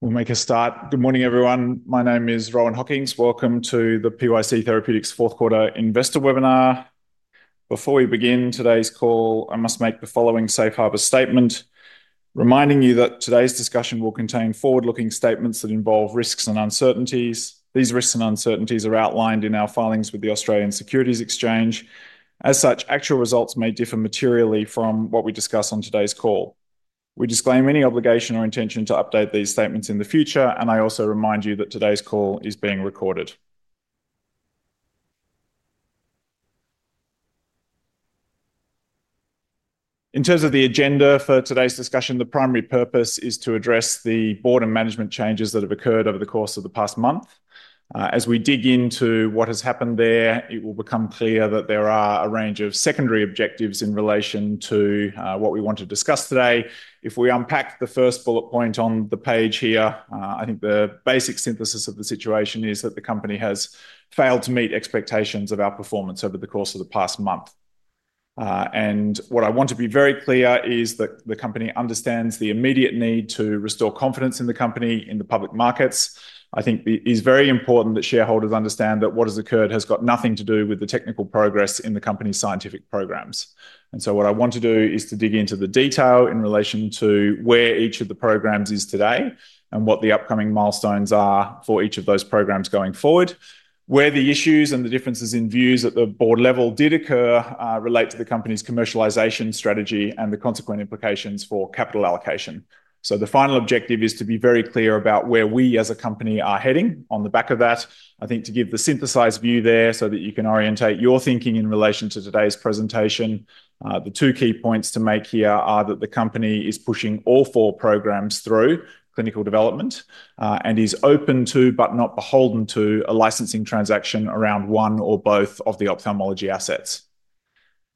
We'll make a start. Good morning, everyone. My name is Rohan Hockings. Welcome to the PYC Therapeutics fourth quarter investor webinar. Before we begin today's call, I must make the following Safe Harbor Statement, reminding you that today's discussion will contain forward-looking statements that involve risks and uncertainties. These risks and uncertainties are outlined in our filings with the Australian Securities Exchange. As such, actual results may differ materially from what we discuss on today's call. We disclaim any obligation or intention to update these statements in the future, and I also remind you that today's call is being recorded. In terms of the agenda for today's discussion, the primary purpose is to address the board and management changes that have occurred over the course of the past month. As we dig into what has happened there, it will become clear that there are a range of secondary objectives in relation to what we want to discuss today. If we unpack the first bullet point on the page here, I think the basic synthesis of the situation is that the company has failed to meet expectations of our performance over the course of the past month, and what I want to be very clear is that the company understands the immediate need to restore confidence in the company in the public markets. I think it is very important that shareholders understand that what has occurred has got nothing to do with the technical progress in the company's scientific programs. What I want to do is to dig into the detail in relation to where each of the programs is today and what the upcoming milestones are for each of those programs going forward, where the issues and the differences in views at the Board level did occur relate to the company's commercialization strategy and the consequent implications for capital allocation. The final objective is to be very clear about where we as a company are heading. On the back of that, I think to give the synthesized view there so that you can orient your thinking in relation to today's presentation, the two key points to make here are that the company is pushing all four programs through clinical development and is open to, but not beholden to, a licensing transaction around one or both of the ophthalmology assets.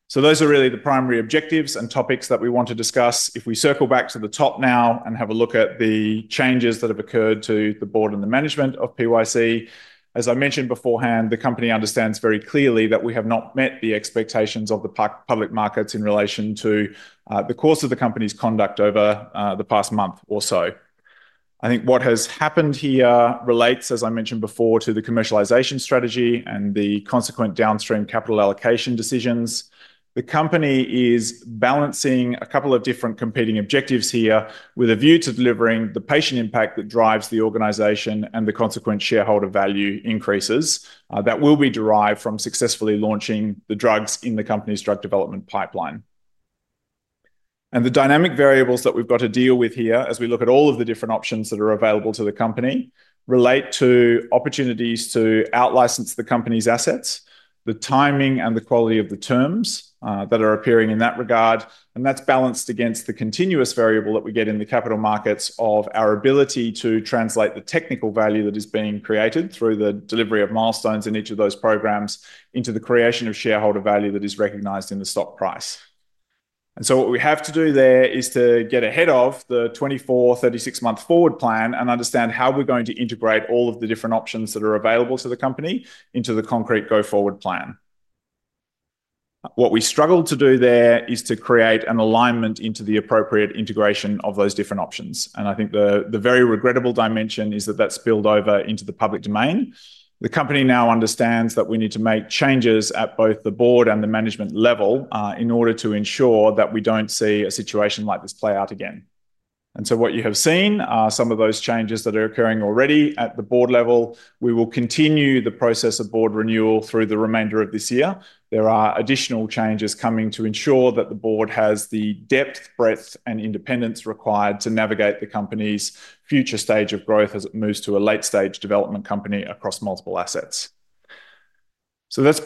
So those are really the primary objectives and topics that we want to discuss. If we circle back to the top now and have a look at the changes that have occurred to the Board and the management of PYC, as I mentioned beforehand, the company understands very clearly that we have not met the expectations of the public markets in relation to the course of the company's conduct over the past month or so. I think what has happened here relates, as I mentioned before, to the commercialization strategy and the consequent downstream capital allocation decisions. The company is balancing a couple of different competing objectives here with a view to delivering the patient impact that drives the organization and the consequent shareholder value increases that will be derived from successfully launching the drugs in the company's drug development pipeline. The dynamic variables that we've got to deal with here as we look at all of the different options that are available to the company relate to opportunities to out-license the company's assets, the timing and the quality of the terms that are appearing in that regard. That's balanced against the continuous variable that we get in the capital markets of our ability to translate the technical value that is being created through the delivery of milestones in each of those programs into the creation of shareholder value that is recognized in the stock price. What we have to do there is to get ahead of the 24-36-month forward plan and understand how we're going to integrate all of the different options that are available to the company into the concrete go-forward plan. What we struggle to do there is to create an alignment into the appropriate integration of those different options. And I think the very regrettable dimension is that that's spilled over into the public domain. The company now understands that we need to make changes at both the Board and the management level in order to ensure that we don't see a situation like this play out again. And so what you have seen are some of those changes that are occurring already at the board level. We will continue the process of board renewal through the remainder of this year. There are additional changes coming to ensure that the Board has the depth, breadth, and independence required to navigate the company's future stage of growth as it moves to a late-stage development company across multiple assets. So that's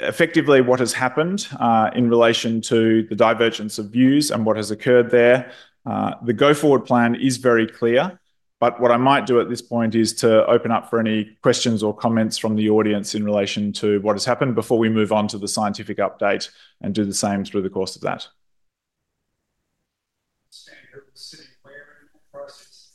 effectively what has happened in relation to the divergence of views and what has occurred there. The go forward plan is very clear, but what I might do at this point is to open up for any questions or comments from the audience in relation to what has happened before we move on to the scientific update and do the same through the course of that. Standard city planning process?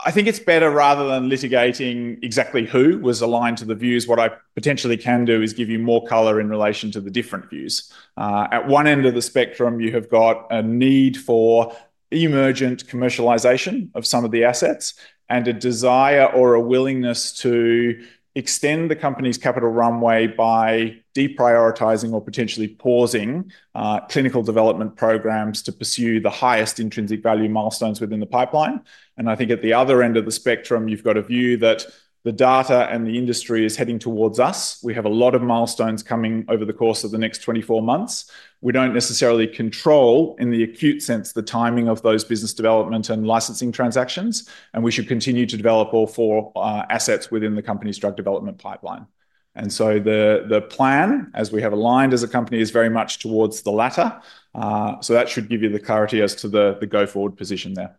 I think it's better rather than litigating exactly who was aligned to the views. What I potentially can do is give you more color in relation to the different views. At one end of the spectrum, you have got a need for emergent commercialization of some of the assets and a desire or a willingness to extend the company's capital runway by deprioritizing or potentially pausing clinical development programs to pursue the highest intrinsic value milestones within the pipeline, and I think at the other end of the spectrum, you've got a view that the data and the industry is heading towards us. We have a lot of milestones coming over the course of the next 24 months. We don't necessarily control in the acute sense the timing of those business development and licensing transactions, and we should continue to develop all four assets within the company's drug development pipeline. And so the plan, as we have aligned as a company, is very much towards the latter. So that should give you the clarity as to the go forward position there.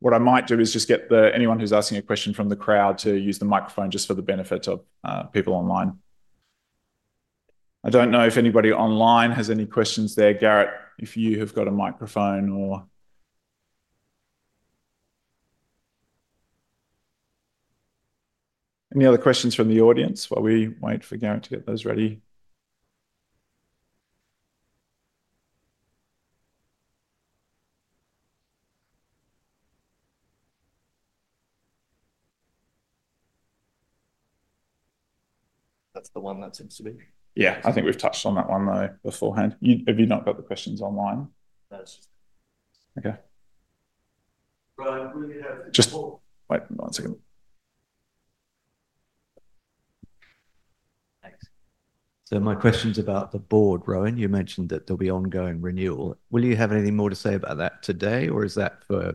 What I might do is just get anyone who's asking a question from the crowd to use the microphone just for the benefit of people online. I don't know if anybody online has any questions there. Garrett, if you have got a microphone or any other questions from the audience while we wait for Garrett to get those ready? That's the one that seems to be. Yeah, I think we've touched on that one though beforehand. Have you not got the questions online? That's just. Okay. But I really have just. Wait one second. Thanks. So my question's about the Board, Rohan. You mentioned that there'll be ongoing renewal. Will you have anything more to say about that today, or is that for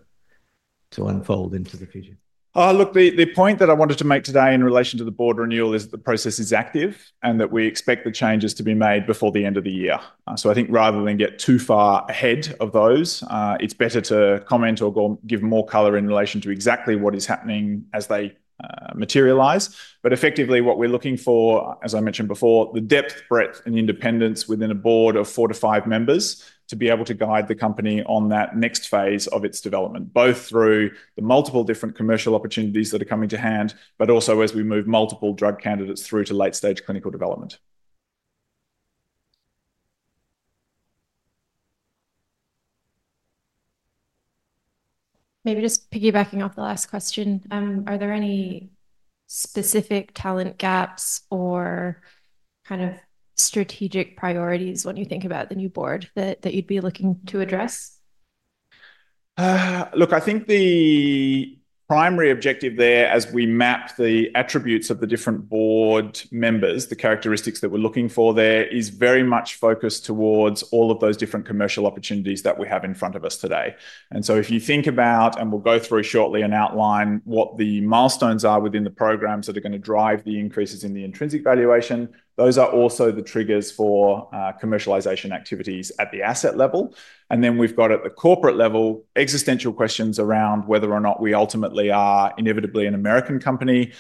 to unfold into the future? Look, the point that I wanted to make today in relation to the Board renewal is that the process is active and that we expect the changes to be made before the end of the year. So I think rather than get too far ahead of those, it's better to comment or give more color in relation to exactly what is happening as they materialise. But effectively, what we're looking for, as I mentioned before, the depth, breadth, and independence within a Board of four to five members to be able to guide the company on that next phase of its development, both through the multiple different commercial opportunities that are coming to hand, but also as we move multiple drug candidates through to late-stage clinical development. Maybe just piggybacking off the last question, are there any specific talent gaps or kind of strategic priorities when you think about the new Board that you'd be looking to address? Look, I think the primary objective there as we map the attributes of the different Board members, the characteristics that we're looking for there is very much focused towards all of those different commercial opportunities that we have in front of us today. And so if you think about, and we'll go through shortly and outline what the milestones are within the programs that are going to drive the increases in the intrinsic valuation, those are also the triggers for commercialization activities at the asset level. And then we've got at the corporate level, existential questions around whether or not we ultimately are inevitably an American company,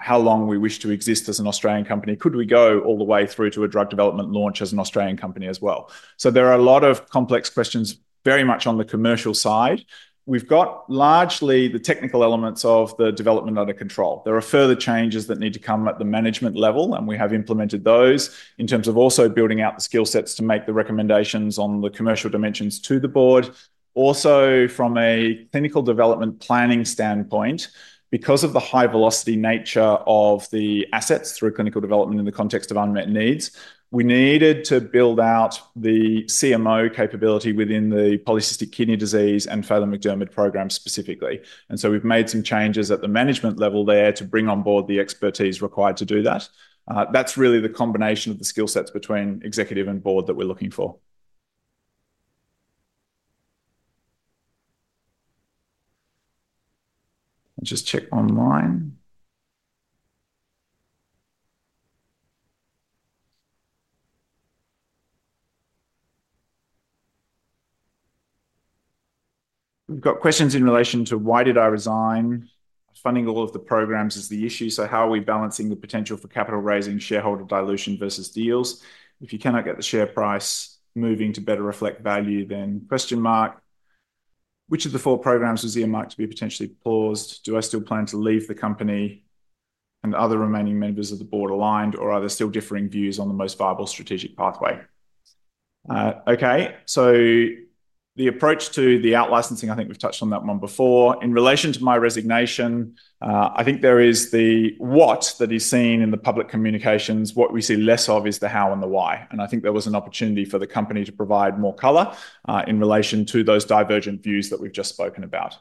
how long we wish to exist as an Australian company, could we go all the way through to a drug development launch as an Australian company as well. So there are a lot of complex questions very much on the commercial side. We've got largely the technical elements of the development under control. There are further changes that need to come at the management level, and we have implemented those in terms of also building out the skill sets to make the recommendations on the commercial dimensions to the Board. Also, from a clinical development planning standpoint, because of the high velocity nature of the assets through clinical development in the context of unmet needs, we needed to build out the CMO capability within the polycystic kidney disease and Phelan-McDermid program specifically. And so we've made some changes at the management level there to bring on board the expertise required to do that. That's really the combination of the skill sets between executive and Board that we're looking for. I'll just check online. We've got questions in relation to why did I resign? Funding all of the programs is the issue. So how are we balancing the potential for capital raising, shareholder dilution versus deals? If you cannot get the share price moving to better reflect value, then question mark. Which of the four programs was earmarked to be potentially paused? Do I still plan to leave the company and other remaining members of The Board aligned, or are there still differing views on the most viable strategic pathway? Okay. So the approach to the out-licensing, I think we've touched on that one before. In relation to my resignation, I think there is the what that is seen in the public communications. What we see less of is the how and the why. And I think there was an opportunity for the company to provide more color in relation to those divergent views that we've just spoken about.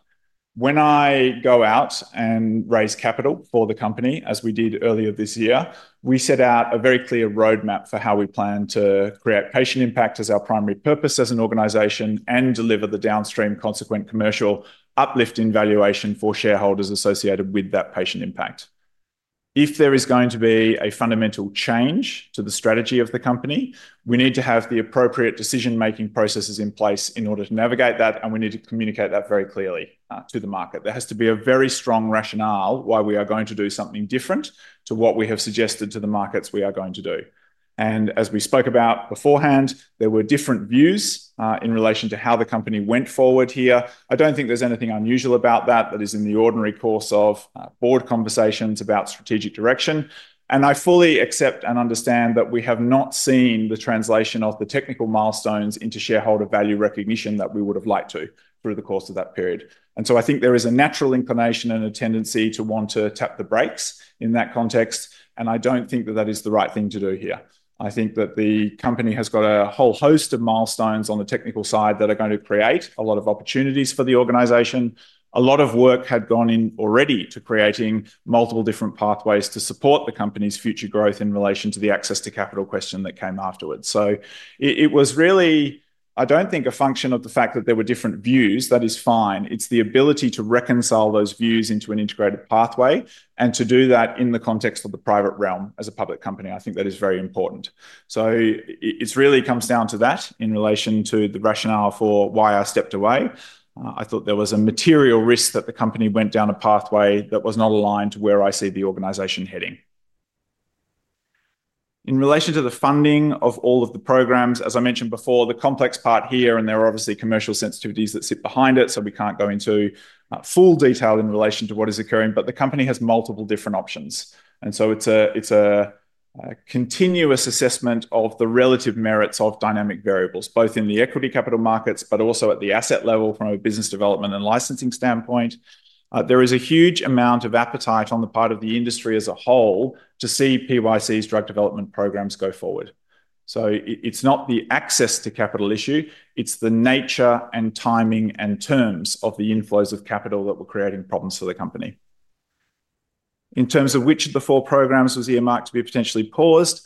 When I go out and raise capital for the company, as we did earlier this year, we set out a very clear roadmap for how we plan to create patient impact as our primary purpose as an organization and deliver the downstream consequent commercial uplift in valuation for shareholders associated with that patient impact. If there is going to be a fundamental change to the strategy of the company, we need to have the appropriate decision-making processes in place in order to navigate that, and we need to communicate that very clearly to the market. There has to be a very strong rationale why we are going to do something different to what we have suggested to the markets we are going to do, and as we spoke about beforehand, there were different views in relation to how the company went forward here. I don't think there's anything unusual about that that is in the ordinary course of board conversations about strategic direction. And I fully accept and understand that we have not seen the translation of the technical milestones into shareholder value recognition that we would have liked to through the course of that period. And so I think there is a natural inclination and a tendency to want to tap the brakes in that context. And I don't think that that is the right thing to do here. I think that the company has got a whole host of milestones on the technical side that are going to create a lot of opportunities for the organization. A lot of work had gone in already to creating multiple different pathways to support the company's future growth in relation to the access to capital question that came afterwards. So it was really, I don't think a function of the fact that there were different views. That is fine. It's the ability to reconcile those views into an integrated pathway and to do that in the context of the private realm as a public company. I think that is very important. So it really comes down to that in relation to the rationale for why I stepped away. I thought there was a material risk that the company went down a pathway that was not aligned to where I see the organization heading. In relation to the funding of all of the programs, as I mentioned before, the complex part here, and there are obviously commercial sensitivities that sit behind it, so we can't go into full detail in relation to what is occurring, but the company has multiple different options. It's a continuous assessment of the relative merits of dynamic variables, both in the equity capital markets, but also at the asset level from a business development and licensing standpoint. There is a huge amount of appetite on the part of the industry as a whole to see PYC's drug development programs go forward, it's not the access to capital issue. It's the nature and timing and terms of the inflows of capital that were creating problems for the company. In terms of which of the four programs was earmarked to be potentially paused,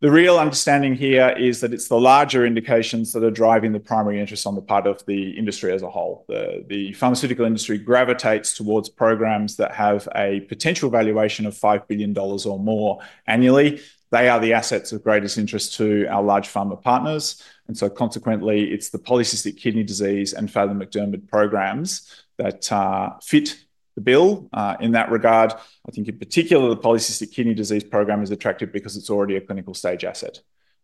the real understanding here is that it's the larger indications that are driving the primary interest on the part of the industry as a whole. The pharmaceutical industry gravitates towards programs that have a potential valuation of $5 billion or more annually. They are the assets of greatest interest to our large pharma partners, and so consequently, it's the polycystic kidney disease and Phelan-McDermid programs that fit the bill in that regard. I think in particular, the polycystic kidney disease program is attractive because it's already a clinical stage asset.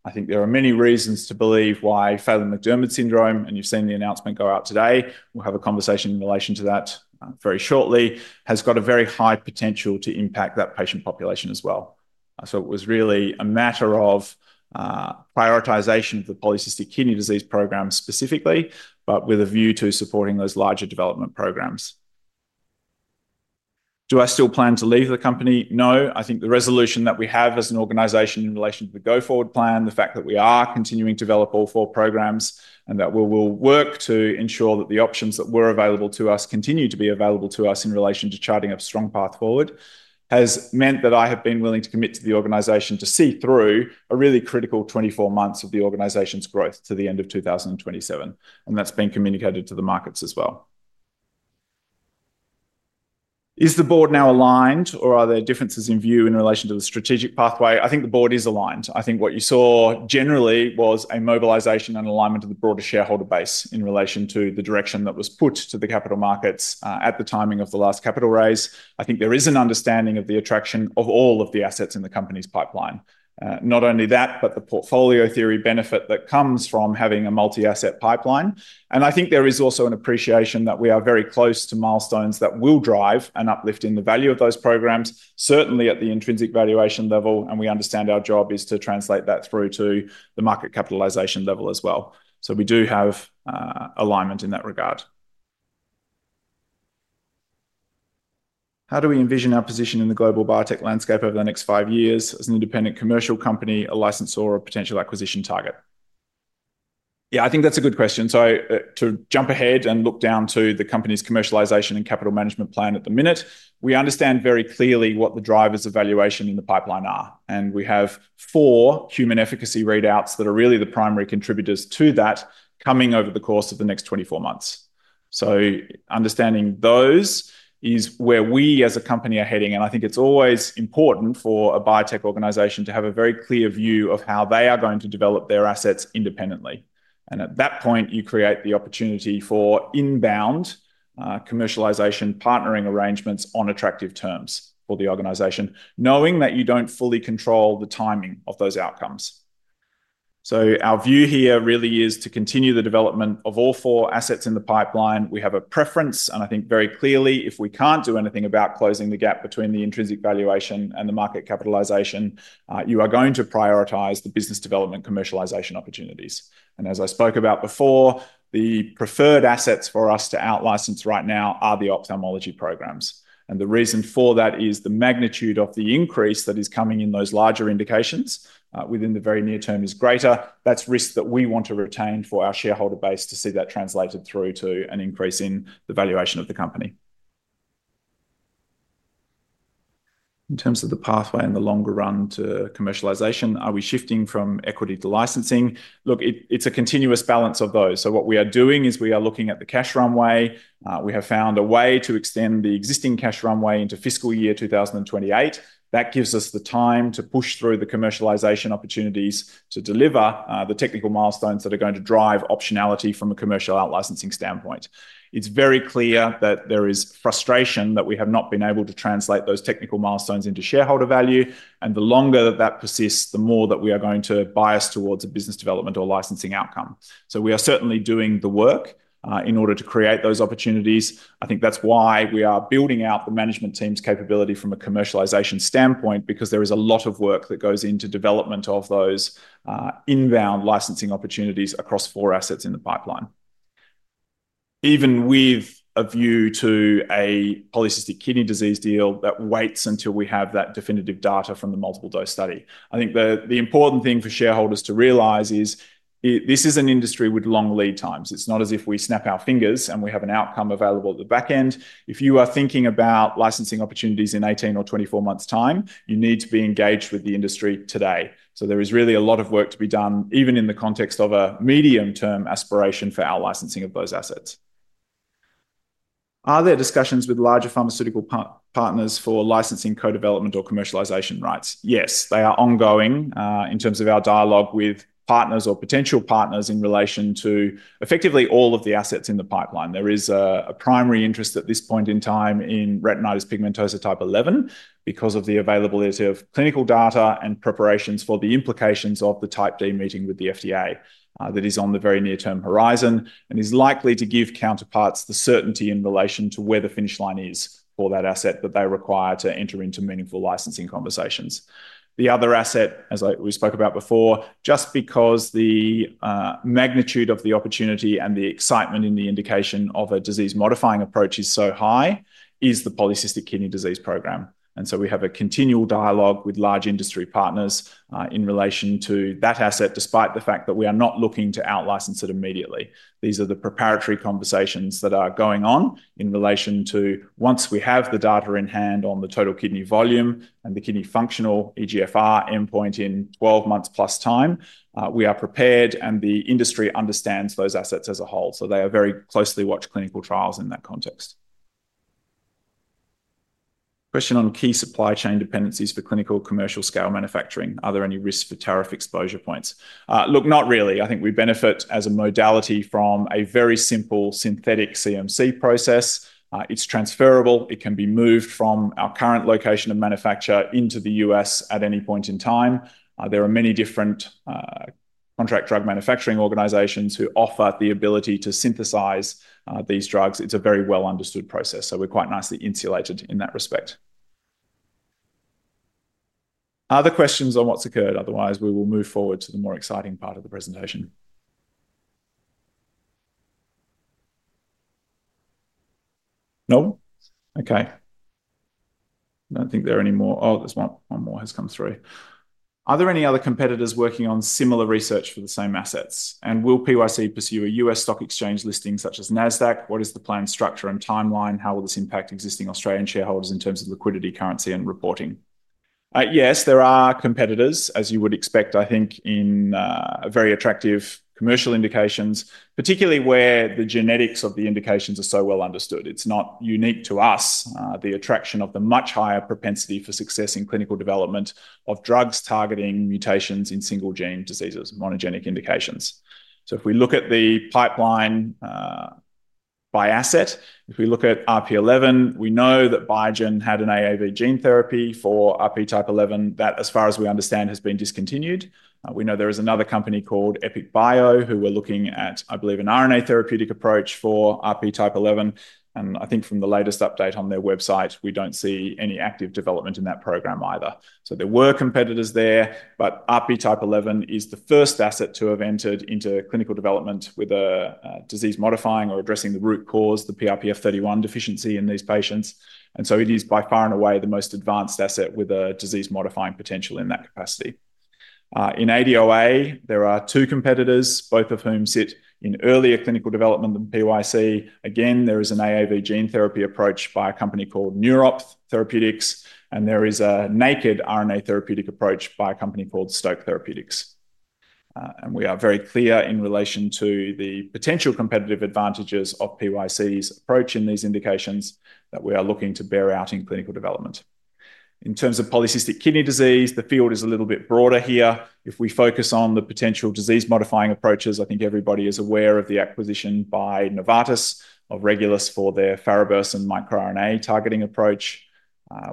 I think there are many reasons to believe why Phelan-McDermid syndrome, and you've seen the announcement go out today, we'll have a conversation in relation to that very shortly, has got a very high potential to impact that patient population as well, so it was really a matter of prioritization of the polycystic kidney disease program specifically, but with a view to supporting those larger development programs. Do I still plan to leave the company? No. I think the resolution that we have as an organization in relation to the go forward plan, the fact that we are continuing to develop all four programs and that we will work to ensure that the options that were available to us continue to be available to us in relation to charting a strong path forward has meant that I have been willing to commit to the organization to see through a really critical 24 months of the organization's growth to the end of 2027, and that's been communicated to the markets as well. Is the Board now aligned, or are there differences in view in relation to the strategic pathway? I think the Board is aligned. I think what you saw generally was a mobilization and alignment of the broader shareholder base in relation to the direction that was put to the capital markets at the timing of the last capital raise. I think there is an understanding of the attraction of all of the assets in the company's pipeline. Not only that, but the portfolio theory benefit that comes from having a multi-asset pipeline. And I think there is also an appreciation that we are very close to milestones that will drive an uplift in the value of those programs, certainly at the intrinsic valuation level. And we understand our job is to translate that through to the market capitalization level as well. So we do have alignment in that regard. How do we envision our position in the global biotech landscape over the next five years as an independent commercial company, a license or a potential acquisition target? Yeah, I think that's a good question. So to jump ahead and look down to the company's commercialization and capital management plan at the minute, we understand very clearly what the drivers of valuation in the pipeline are. And we have four human efficacy readouts that are really the primary contributors to that coming over the course of the next 24 months. So understanding those is where we as a company are heading. And I think it's always important for a biotech organization to have a very clear view of how they are going to develop their assets independently. And at that point, you create the opportunity for inbound commercialization partnering arrangements on attractive terms for the organization, knowing that you don't fully control the timing of those outcomes. So our view here really is to continue the development of all four assets in the pipeline. We have a preference, and I think very clearly, if we can't do anything about closing the gap between the intrinsic valuation and the market capitalization, you are going to prioritize the business development commercialization opportunities. And as I spoke about before, the preferred assets for us to out-license right now are the ophthalmology programs. And the reason for that is the magnitude of the increase that is coming in those larger indications within the very near term is greater. That's risk that we want to retain for our shareholder base to see that translated through to an increase in the valuation of the company. In terms of the pathway and the longer run to commercialization, are we shifting from equity to licensing? Look, it's a continuous balance of those. So what we are doing is we are looking at the cash runway. We have found a way to extend the existing cash runway into fiscal year 2028. That gives us the time to push through the commercialization opportunities to deliver the technical milestones that are going to drive optionality from a commercial out-licensing standpoint. It's very clear that there is frustration that we have not been able to translate those technical milestones into shareholder value, and the longer that that persists, the more that we are going to bias towards a business development or licensing outcome. We are certainly doing the work in order to create those opportunities. I think that's why we are building out the management team's capability from a commercialization standpoint, because there is a lot of work that goes into development of those inbound licensing opportunities across four assets in the pipeline. Even with a view to a polycystic kidney disease deal that waits until we have that definitive data from the multiple dose study. I think the important thing for shareholders to realize is this is an industry with long lead times. It's not as if we snap our fingers and we have an outcome available at the back end. If you are thinking about licensing opportunities in 18 or 24 months' time, you need to be engaged with the industry today. So there is really a lot of work to be done, even in the context of a medium-term aspiration for out-licensing of those assets. Are there discussions with larger pharmaceutical partners for licensing co-development or commercialization rights? Yes, they are ongoing in terms of our dialogue with partners or potential partners in relation to effectively all of the assets in the pipeline. There is a primary interest at this point in time in retinitis pigmentosa type 11 because of the availability of clinical data and preparations for the implications of the Type D meeting with the FDA that is on the very near-term horizon and is likely to give counterparts the certainty in relation to where the finish line is for that asset that they require to enter into meaningful licensing conversations. The other asset, as we spoke about before, just because the magnitude of the opportunity and the excitement in the indication of a disease-modifying approach is so high, is the polycystic kidney disease program. And so we have a continual dialogue with large industry partners in relation to that asset, despite the fact that we are not looking to out-license it immediately. These are the preparatory conversations that are going on in relation to once we have the data in hand on the total kidney volume and the kidney functional eGFR endpoint in 12 months+ time, we are prepared and the industry understands those assets as a whole. So they are very closely watched clinical trials in that context. Question on key supply chain dependencies for clinical commercial scale manufacturing. Are there any risks for tariff exposure points? Look, not really. I think we benefit as a modality from a very simple synthetic CMC process. It's transferable. It can be moved from our current location of manufacture into the U.S. at any point in time. There are many different contract drug manufacturing organizations who offer the ability to synthesize these drugs. It's a very well-understood process. So we're quite nicely insulated in that respect. Other questions on what's occurred? Otherwise, we will move forward to the more exciting part of the presentation. No? Okay. I don't think there are any more. Oh, there's one more has come through. Are there any other competitors working on similar research for the same assets? And will PYC pursue a U.S. stock exchange listing such as NASDAQ? What is the planned structure and timeline? How will this impact existing Australian shareholders in terms of liquidity, currency, and reporting? Yes, there are competitors, as you would expect, I think, in very attractive commercial indications, particularly where the genetics of the indications are so well understood. It's not unique to us, the attraction of the much higher propensity for success in clinical development of drugs targeting mutations in single-gene diseases, monogenic indications. So if we look at the pipeline by asset, if we look at RP11, we know that Biogen had an AAV gene therapy for RP type 11 that, as far as we understand, has been discontinued. We know there is another company called Epic Bio who were looking at, I believe, an RNA therapeutic approach for RP type 11. And I think from the latest update on their website, we don't see any active development in that program either. There were competitors there, but RP11 is the first asset to have entered into clinical development with a disease modifying or addressing the root cause, the PRPF31 deficiency in these patients. It is by far and away the most advanced asset with a disease modifying potential in that capacity. In ADOA, there are two competitors, both of whom sit in earlier clinical development than PYC. Again, there is an AAV gene therapy approach by a company called Neurophth Therapeutics, and there is a naked RNA therapeutic approach by a company called Stoke Therapeutics. We are very clear in relation to the potential competitive advantages of PYC's approach in these indications that we are looking to bear out in clinical development. In terms of polycystic kidney disease, the field is a little bit broader here. If we focus on the potential disease modifying approaches, I think everybody is aware of the acquisition by Novartis of Regulus for their Faribursin microRNA targeting approach.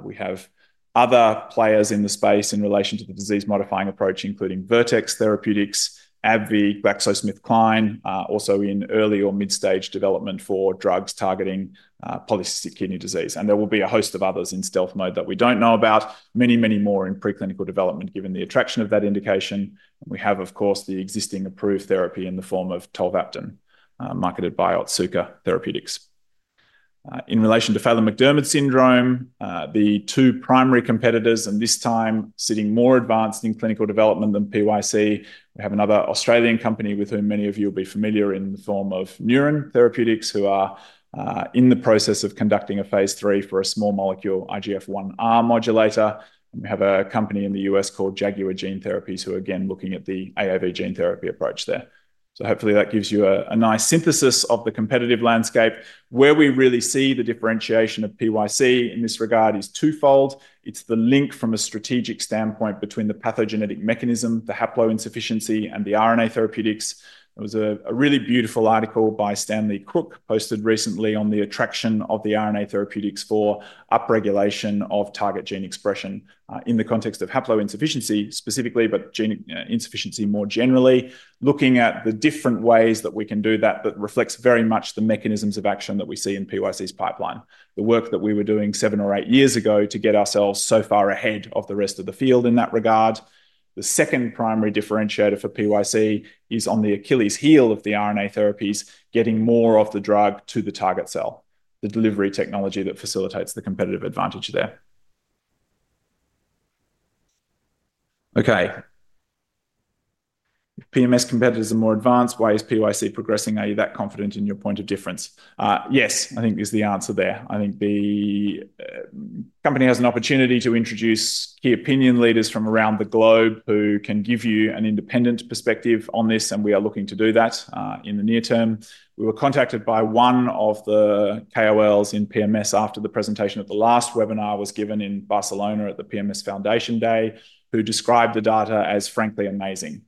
We have other players in the space in relation to the disease modifying approach, including Vertex Therapeutics, AbbVie, GlaxoSmithKline, also in early or mid-stage development for drugs targeting polycystic kidney disease. And there will be a host of others in stealth mode that we don't know about, many, many more in preclinical development given the attraction of that indication. And we have, of course, the existing approved therapy in the form of tolvaptan, marketed by Otsuka Pharmaceutical. In relation to Phelan-McDermid syndrome, the two primary competitors, and this time sitting more advanced in clinical development than PYC, we have another Australian company with whom many of you will be familiar in the form of Neuren Pharmaceuticals, who are in the process of conducting a phase three for a small molecule IGF1R modulator. And we have a company in the U.S. called Jaguar Gene Therapies, who are again looking at the AAV gene therapy approach there. So hopefully that gives you a nice synthesis of the competitive landscape. Where we really see the differentiation of PYC in this regard is twofold. It's the link from a strategic standpoint between the pathogenetic mechanism, the haploinsufficiency, and the RNA therapeutics. There was a really beautiful article by Stanley Crooke posted recently on the attraction of the RNA therapeutics for upregulation of target gene expression in the context of haploinsufficiency specifically, but gene insufficiency more generally, looking at the different ways that we can do that reflects very much the mechanisms of action that we see in PYC's pipeline, the work that we were doing seven or eight years ago to get ourselves so far ahead of the rest of the field in that regard. The second primary differentiator for PYC is on the Achilles heel of the RNA therapies, getting more of the drug to the target cell, the delivery technology that facilitates the competitive advantage there. Okay. If PMS competitors are more advanced, why is PYC progressing? Are you that confident in your point of difference? Yes, I think is the answer there. I think the company has an opportunity to introduce key opinion leaders from around the globe who can give you an independent perspective on this, and we are looking to do that in the near term. We were contacted by one of the KOLs in PMS after the presentation at the last webinar was given in Barcelona at the PMS Foundation Day, who described the data as frankly amazing.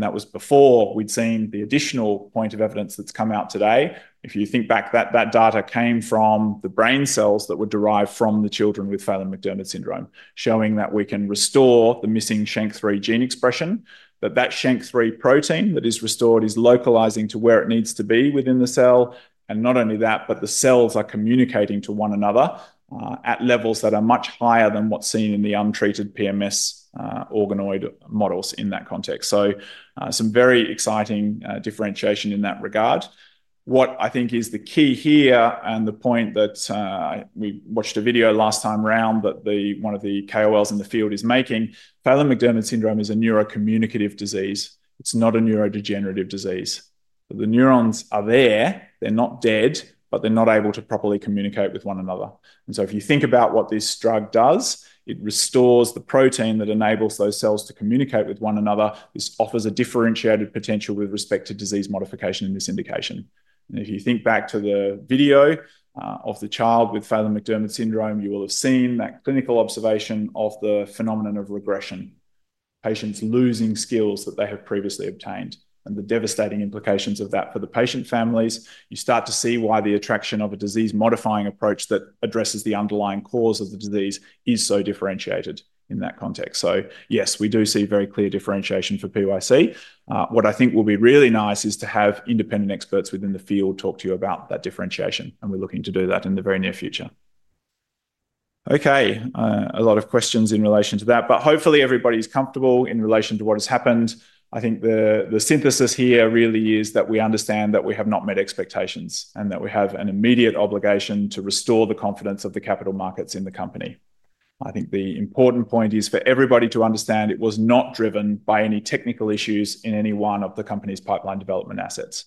That was before we'd seen the additional point of evidence that's come out today. If you think back, that data came from the brain cells that were derived from the children with Phelan-McDermid syndrome, showing that we can restore the missing SHANK3 gene expression, that that SHANK3 protein that is restored is localizing to where it needs to be within the cell. And not only that, but the cells are communicating to one another at levels that are much higher than what's seen in the untreated PMS organoid models in that context. So some very exciting differentiation in that regard. What I think is the key here and the point that we watched a video last time around that one of the KOLs in the field is making, Phelan-McDermid syndrome is a neurocommunicative disease. It's not a neurodegenerative disease. The neurons are there. They're not dead, but they're not able to properly communicate with one another. And so if you think about what this drug does, it restores the protein that enables those cells to communicate with one another. This offers a differentiated potential with respect to disease modification in this indication. If you think back to the video of the child with Phelan-McDermid syndrome, you will have seen that clinical observation of the phenomenon of regression, patients losing skills that they have previously obtained and the devastating implications of that for the patient families. You start to see why the attraction of a disease modifying approach that addresses the underlying cause of the disease is so differentiated in that context. Yes, we do see very clear differentiation for PYC. What I think will be really nice is to have independent experts within the field talk to you about that differentiation. We're looking to do that in the very near future. Okay. A lot of questions in relation to that, but hopefully everybody's comfortable in relation to what has happened. I think the synthesis here really is that we understand that we have not met expectations and that we have an immediate obligation to restore the confidence of the capital markets in the company. I think the important point is for everybody to understand it was not driven by any technical issues in any one of the company's pipeline development assets.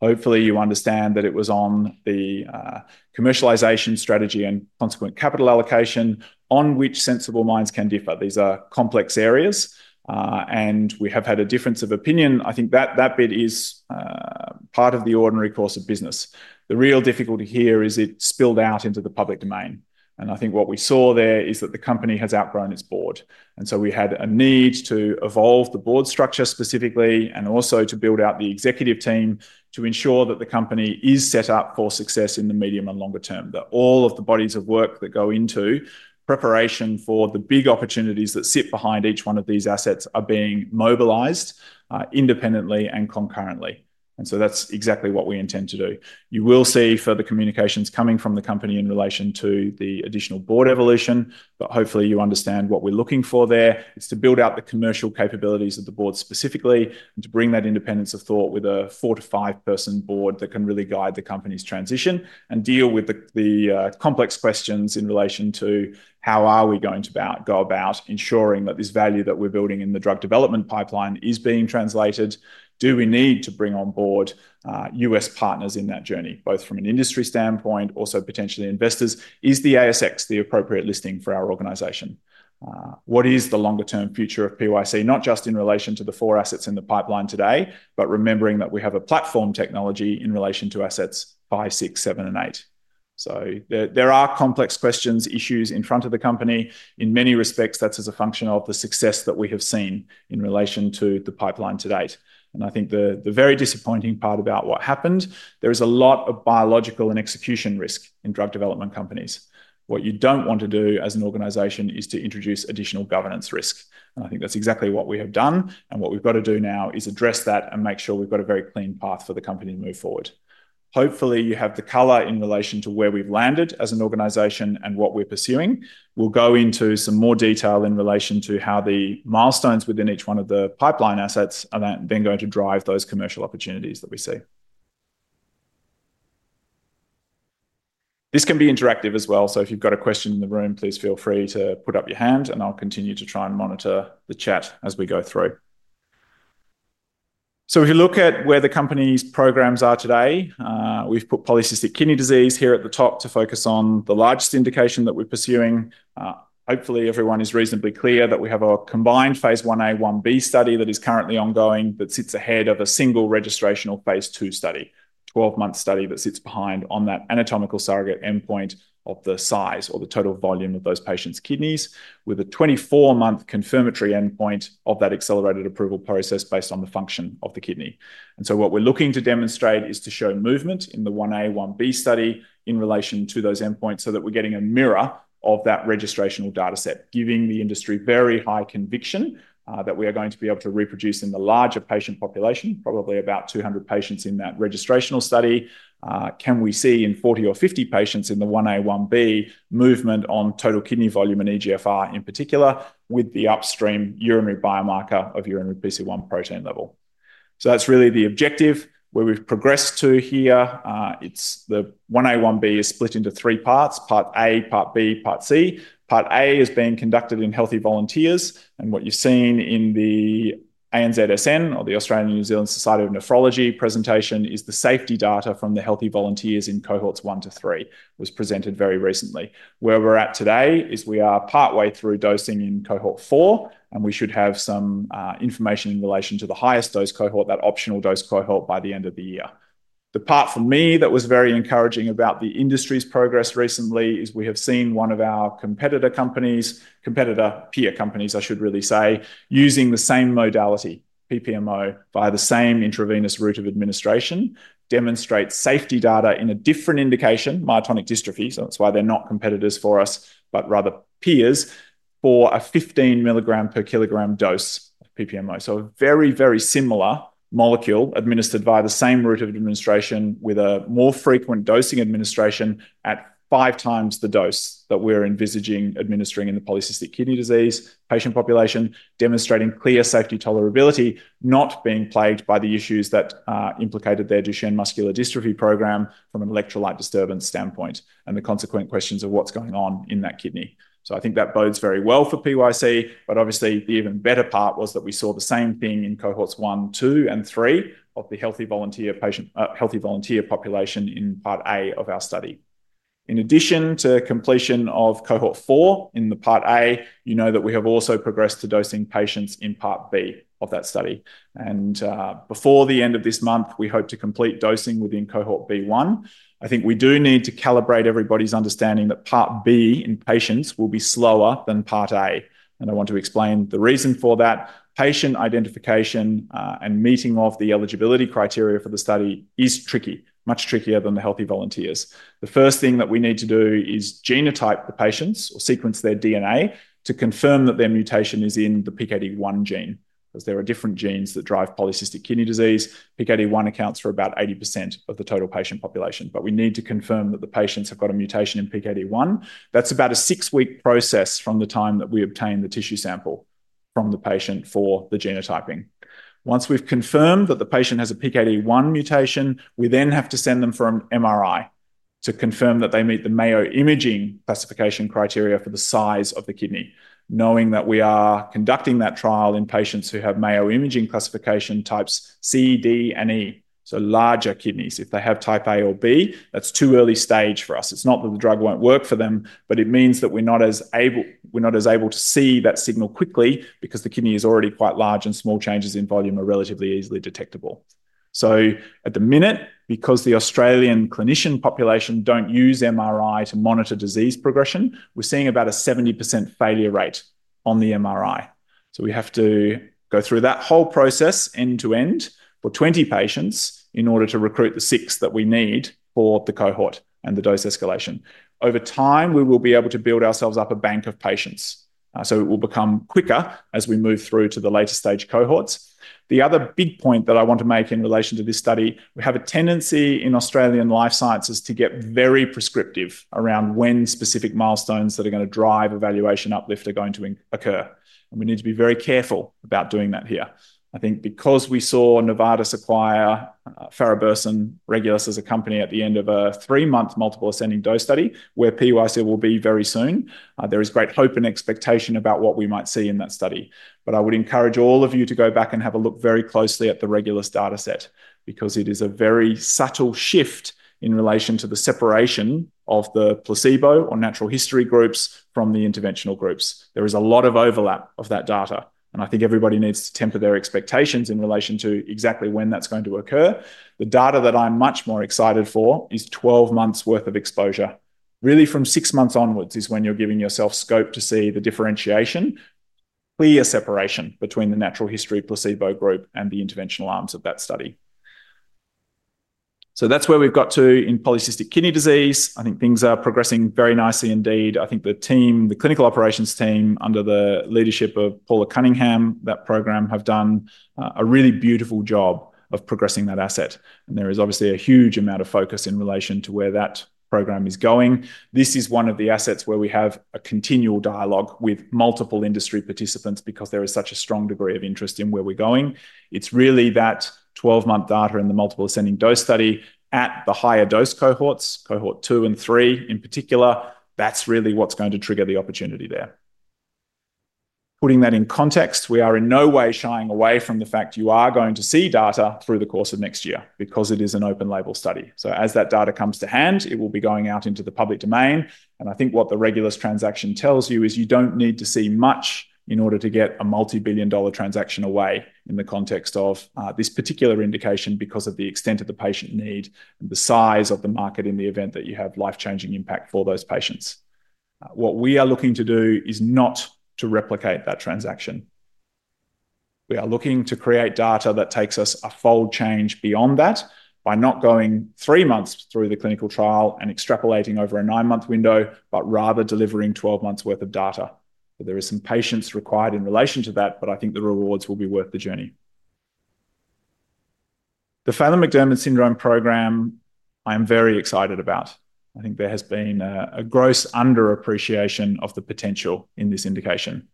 Hopefully you understand that it was on the commercialization strategy and consequent capital allocation on which sensible minds can differ. These are complex areas, and we have had a difference of opinion. I think that that bit is part of the ordinary course of business. The real difficulty here is it spilled out into the public domain, and I think what we saw there is that the company has outgrown its Board. And so we had a need to evolve the Board structure specifically and also to build out the executive team to ensure that the company is set up for success in the medium and longer term, that all of the bodies of work that go into preparation for the big opportunities that sit behind each one of these assets are being mobilised independently and concurrently. And so that's exactly what we intend to do. You will see further communications coming from the company in relation to the additional Board evolution, but hopefully you understand what we're looking for there. It's to build out the commercial capabilities of The Board specifically and to bring that independence of thought with a four- to five-person board that can really guide the company's transition and deal with the complex questions in relation to how are we going to go about ensuring that this value that we're building in the drug development pipeline is being translated? Do we need to bring on board U.S. partners in that journey, both from an industry standpoint, also potentially investors? Is the ASX the appropriate listing for our organization? What is the longer term future of PYC, not just in relation to the four assets in the pipeline today, but remembering that we have a platform technology in relation to assets five, six, seven, and eight, so there are complex questions, issues in front of the company. In many respects, that's as a function of the success that we have seen in relation to the pipeline to date. And I think the very disappointing part about what happened, there is a lot of biological and execution risk in drug development companies. What you don't want to do as an organization is to introduce additional governance risk. And I think that's exactly what we have done. And what we've got to do now is address that and make sure we've got a very clean path for the company to move forward. Hopefully you have the color in relation to where we've landed as an organization and what we're pursuing. We'll go into some more detail in relation to how the milestones within each one of the pipeline assets are then going to drive those commercial opportunities that we see. This can be interactive as well. So if you've got a question in the room, please feel free to put up your hand and I'll continue to try and monitor the chat as we go through. So if you look at where the company's programs are today, we've put polycystic kidney disease here at the top to focus on the largest indication that we're pursuing. Hopefully everyone is reasonably clear that we have a combined phase I-A, phase II-B study that is currently ongoing that sits ahead of a single registrational phase II study, 12-month study that sits behind on that anatomical surrogate endpoint of the size or the total volume of those patients' kidneys, with a 24-month confirmatory endpoint of that accelerated approval process based on the function of the kidney. What we're looking to demonstrate is to show movement in the I-A, Ib study in relation to those endpoints so that we're getting a mirror of that registrational data set, giving the industry very high conviction that we are going to be able to reproduce in the larger patient population, probably about 200 patients in that registrational study. Can we see in 40 or 50 patients in the I-A, Ib movement on total kidney volume and eGFR in particular, with the upstream urinary biomarker of urinary PKD1 protein level? That's really the objective where we've progressed to here. The I-A, Ib is split into three parts, part A, part B, part C. Part A is being conducted in healthy volunteers. What you've seen in the ANZSN or the Australian and New Zealand Society of Nephrology presentation is the safety data from the healthy volunteers in cohorts one to three was presented very recently. Where we're at today is we are partway through dosing in cohort four, and we should have some information in relation to the highest dose cohort, that optional dose cohort by the end of the year. The part for me that was very encouraging about the industry's progress recently is we have seen one of our competitor companies, competitor peer companies, I should really say, using the same modality, PPMO, via the same intravenous route of administration, demonstrate safety data in a different indication, myotonic dystrophy. So that's why they're not competitors for us, but rather peers for a 15 mg per kilogram dose of PPMO. So a very, very similar molecule administered via the same route of administration with a more frequent dosing administration at five times the dose that we're envisaging administering in the polycystic kidney disease patient population, demonstrating clear safety tolerability, not being plagued by the issues that implicated their Duchenne muscular dystrophy program from an electrolyte disturbance standpoint and the consequent questions of what's going on in that kidney. So I think that bodes very well for PYC, but obviously the even better part was that we saw the same thing in cohorts one, two, and three of the healthy volunteer population in part A of our study. In addition to completion of cohort four in part A, you know that we have also progressed to dosing patients in part B of that study. Before the end of this month, we hope to complete dosing within cohort B1. I think we do need to calibrate everybody's understanding that part B in patients will be slower than part A. I want to explain the reason for that. Patient identification and meeting of the eligibility criteria for the study is tricky, much trickier than the healthy volunteers. The first thing that we need to do is genotype the patients or sequence their DNA to confirm that their mutation is in the PKD1 gene, because there are different genes that drive polycystic kidney disease. PKD1 accounts for about 80% of the total patient population, but we need to confirm that the patients have got a mutation in PKD1. That's about a six-week process from the time that we obtain the tissue sample from the patient for the genotyping. Once we've confirmed that the patient has a PKD1 mutation, we then have to send them for an MRI to confirm that they meet the Mayo Imaging classification criteria for the size of the kidney, knowing that we are conducting that trial in patients who have Mayo Imaging classification types C, D, and E, so larger kidneys. If they have type A or B, that's too early stage for us. It's not that the drug won't work for them, but it means that we're not as able to see that signal quickly because the kidney is already quite large and small changes in volume are relatively easily detectable. So at the minute, because the Australian clinician population don't use MRI to monitor disease progression, we're seeing about a 70% failure rate on the MRI. So we have to go through that whole process end to end for 20 patients in order to recruit the six that we need for the cohort and the dose escalation. Over time, we will be able to build ourselves up a bank of patients, so it will become quicker as we move through to the later stage cohorts. The other big point that I want to make in relation to this study, we have a tendency in Australian life sciences to get very prescriptive around when specific milestones that are going to drive evaluation uplift are going to occur, and we need to be very careful about doing that here. I think because we saw Novartis acquire Regulus as a company at the end of a three-month multiple ascending dose study where PYC will be very soon, there is great hope and expectation about what we might see in that study. But I would encourage all of you to go back and have a look very closely at the Regulus data set because it is a very subtle shift in relation to the separation of the placebo or natural history groups from the interventional groups. There is a lot of overlap of that data, and I think everybody needs to temper their expectations in relation to exactly when that's going to occur. The data that I'm much more excited for is 12 months' worth of exposure. Really, from six months onwards is when you're giving yourself scope to see the differentiation, clear separation between the natural history placebo group and the interventional arms of that study. So that's where we've got to in polycystic kidney disease. I think things are progressing very nicely indeed. I think the team, the clinical operations team under the leadership of Paula Cunningham, that program have done a really beautiful job of progressing that asset. And there is obviously a huge amount of focus in relation to where that program is going. This is one of the assets where we have a continual dialogue with multiple industry participants because there is such a strong degree of interest in where we're going. It's really that 12-month data in the multiple ascending dose study at the higher dose cohorts, cohort two and three in particular, that's really what's going to trigger the opportunity there. Putting that in context, we are in no way shying away from the fact you are going to see data through the course of next year because it is an open label study. So as that data comes to hand, it will be going out into the public domain, and I think what the Regulus transaction tells you is you don't need to see much in order to get a multi-billion dollar transaction away in the context of this particular indication because of the extent of the patient need and the size of the market in the event that you have life-changing impact for those patients. What we are looking to do is not to replicate that transaction. We are looking to create data that takes us a full change beyond that by not going three months through the clinical trial and extrapolating over a nine-month window, but rather delivering 12 months' worth of data. But there are some patients required in relation to that, but I think the rewards will be worth the journey. The Phelan-McDermid syndrome program, I am very excited about. I think there has been a gross underappreciation of the potential in this indication.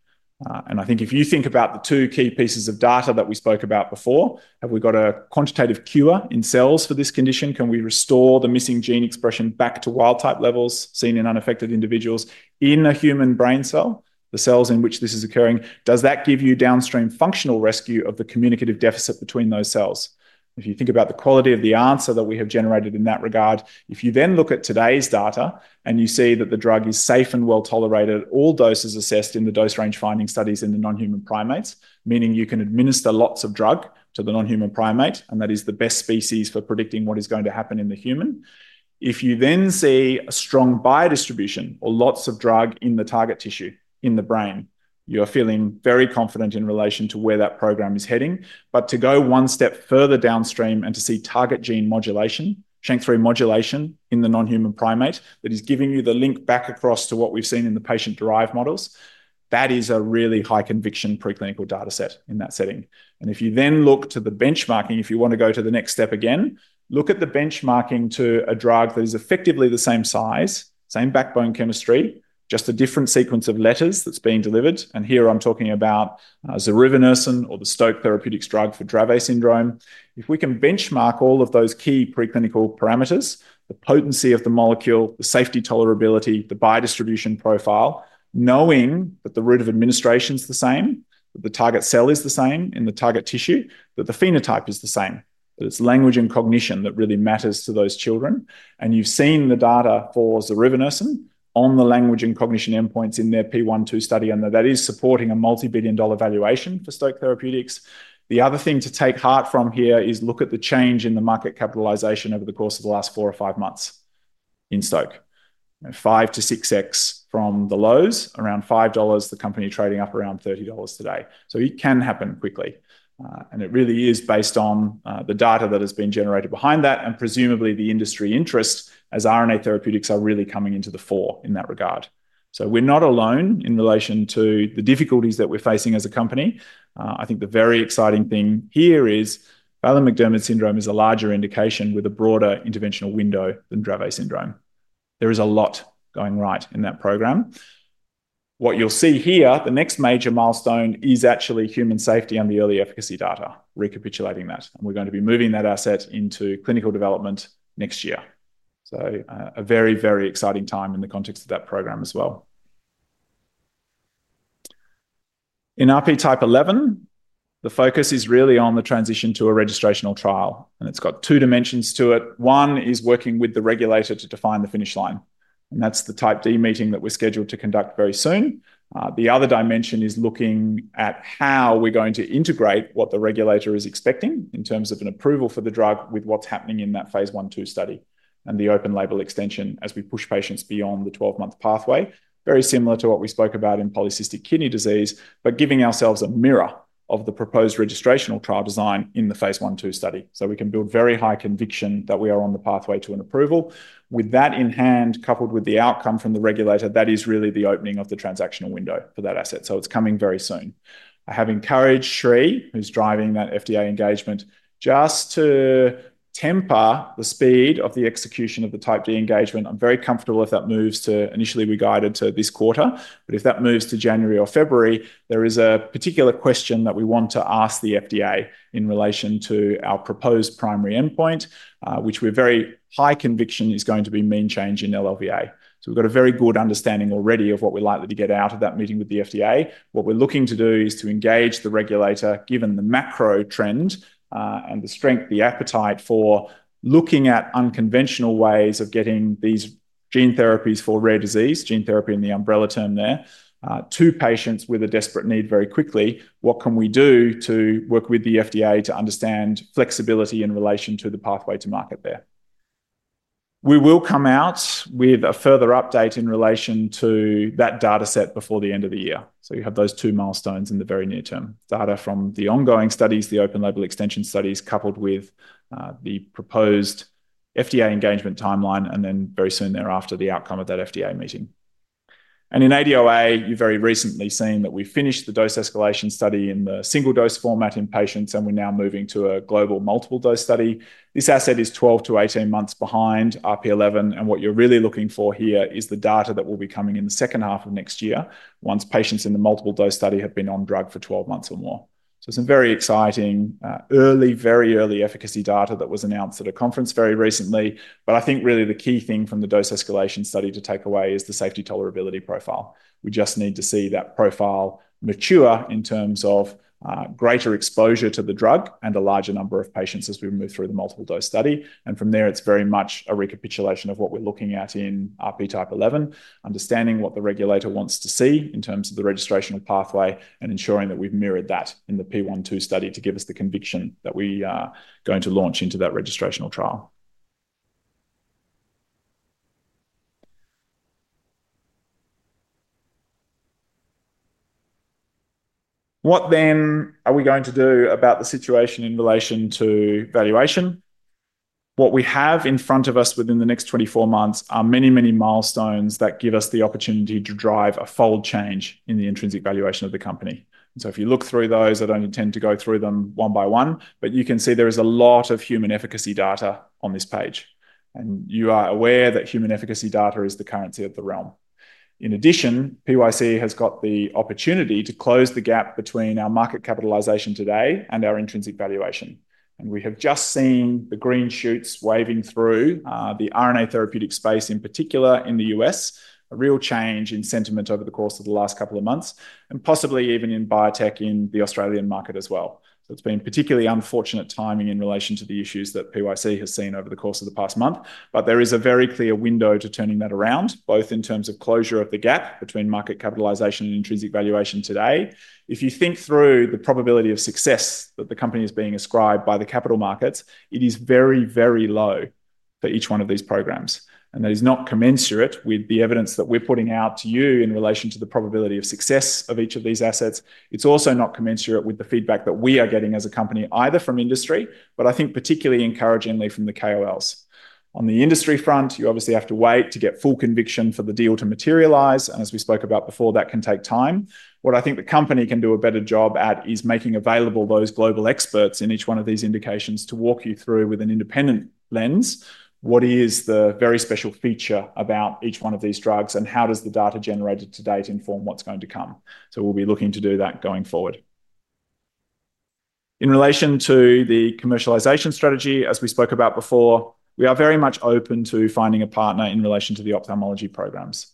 And I think if you think about the two key pieces of data that we spoke about before, have we got a quantitative cure in cells for this condition? Can we restore the missing gene expression back to wild type levels seen in unaffected individuals in a human brain cell, the cells in which this is occurring? Does that give you downstream functional rescue of the communicative deficit between those cells? If you think about the quality of the answer that we have generated in that regard, if you then look at today's data and you see that the drug is safe and well tolerated, all doses assessed in the dose range finding studies in the non-human primates, meaning you can administer lots of drug to the non-human primate, and that is the best species for predicting what is going to happen in the human. If you then see a strong biodistribution or lots of drug in the target tissue in the brain, you're feeling very confident in relation to where that program is heading. But to go one step further downstream and to see target gene modulation, SHANK3 modulation in the non-human primate that is giving you the link back across to what we've seen in the patient derived models, that is a really high conviction preclinical data set in that setting. And if you then look to the benchmarking, if you want to go to the next step again, look at the benchmarking to a drug that is effectively the same size, same backbone chemistry, just a different sequence of letters that's being delivered. And here I'm talking about zorevunersen or the Stoke Therapeutics drug for Dravet syndrome. If we can benchmark all of those key preclinical parameters, the potency of the molecule, the safety, tolerability, the biodistribution profile, knowing that the route of administration is the same, that the target cell is the same in the target tissue, that the phenotype is the same, that it's language and cognition that really matters to those children, and you've seen the data for zorevunersen on the language and cognition endpoints in their phase I-II study, and that that is supporting a multi-billion dollar valuation for Stoke Therapeutics. The other thing to take heart from here is, look at the change in the market capitalization over the course of the last four or five months in Stoke, five to six X from the lows, around $5, the company trading up around $30 today, so it can happen quickly. It really is based on the data that has been generated behind that and presumably the industry interest as RNA therapeutics are really coming into the forefront in that regard. We're not alone in relation to the difficulties that we're facing as a company. I think the very exciting thing here is Phelan-McDermid syndrome is a larger indication with a broader interventional window than Dravet syndrome. There is a lot going right in that program. What you'll see here, the next major milestone is actually human safety and the early efficacy data, recapitulating that. We're going to be moving that asset into clinical development next year. It's a very, very exciting time in the context of that program as well. In RP type 11, the focus is really on the transition to a registrational trial. It's got two dimensions to it. One is working with the regulator to define the finish line. And that's the Type D meeting that we're scheduled to conduct very soon. The other dimension is looking at how we're going to integrate what the regulator is expecting in terms of an approval for the drug with what's happening in that phase I-II study and the open label extension as we push patients beyond the 12-month pathway, very similar to what we spoke about in polycystic kidney disease, but giving ourselves a mirror of the proposed registrational trial design in the phase I-II study. So we can build very high conviction that we are on the pathway to an approval. With that in hand, coupled with the outcome from the regulator, that is really the opening of the transactional window for that asset. So it's coming very soon. I have encouraged Sri, who's driving that FDA engagement, just to temper the speed of the execution of the Type D engagement. I'm very comfortable if that moves to initially we guided to this quarter, but if that moves to January or February, there is a particular question that we want to ask the FDA in relation to our proposed primary endpoint, which we're very high conviction is going to be mean change in LLVA. So we've got a very good understanding already of what we're likely to get out of that meeting with the FDA. What we're looking to do is to engage the regulator, given the macro trend and the strength, the appetite for looking at unconventional ways of getting these gene therapies for rare disease, gene therapy in the umbrella term there, to patients with a desperate need very quickly. What can we do to work with the FDA to understand flexibility in relation to the pathway to market there? We will come out with a further update in relation to that data set before the end of the year. You have those two milestones in the very near term, data from the ongoing studies, the open label extension studies coupled with the proposed FDA engagement timeline, and then very soon thereafter, the outcome of that FDA meeting. In ADOA, you've very recently seen that we've finished the dose escalation study in the single dose format in patients, and we're now moving to a global multiple dose study. This asset is 12-18 months behind RP11. What you're really looking for here is the data that will be coming in the second half of next year, once patients in the multiple dose study have been on drug for 12 months or more. Some very exciting, early, very early efficacy data that was announced at a conference very recently. I think really the key thing from the dose escalation study to take away is the safety tolerability profile. We just need to see that profile mature in terms of greater exposure to the drug and a larger number of patients as we move through the multiple dose study. And from there, it's very much a recapitulation of what we're looking at in RP11, understanding what the regulator wants to see in terms of the registrational pathway and ensuring that we've mirrored that in the phase 1/2 study to give us the conviction that we are going to launch into that registrational trial. What then are we going to do about the situation in relation to valuation? What we have in front of us within the next 24 months are many, many milestones that give us the opportunity to drive a full change in the intrinsic valuation of the company. And so if you look through those, I don't intend to go through them one by one, but you can see there is a lot of human efficacy data on this page. And you are aware that human efficacy data is the currency of the realm. In addition, PYC has got the opportunity to close the gap between our market capitalization today and our intrinsic valuation, and we have just seen the green shoots waving through the RNA therapeutic space in particular in the U.S., a real change in sentiment over the course of the last couple of months and possibly even in biotech in the Australian market as well, so it's been particularly unfortunate timing in relation to the issues that PYC has seen over the course of the past month, but there is a very clear window to turning that around, both in terms of closure of the gap between market capitalization and intrinsic valuation today, if you think through the probability of success that the company is being ascribed by the capital markets, it is very, very low for each one of these programs. That is not commensurate with the evidence that we're putting out to you in relation to the probability of success of each of these assets. It's also not commensurate with the feedback that we are getting as a company, either from industry, but I think particularly encouragingly from the KOLs. On the industry front, you obviously have to wait to get full conviction for the deal to materialize. As we spoke about before, that can take time. What I think the company can do a better job at is making available those global experts in each one of these indications to walk you through with an independent lens what is the very special feature about each one of these drugs and how does the data generated to date inform what's going to come. We'll be looking to do that going forward. In relation to the commercialization strategy, as we spoke about before, we are very much open to finding a partner in relation to the ophthalmology programs,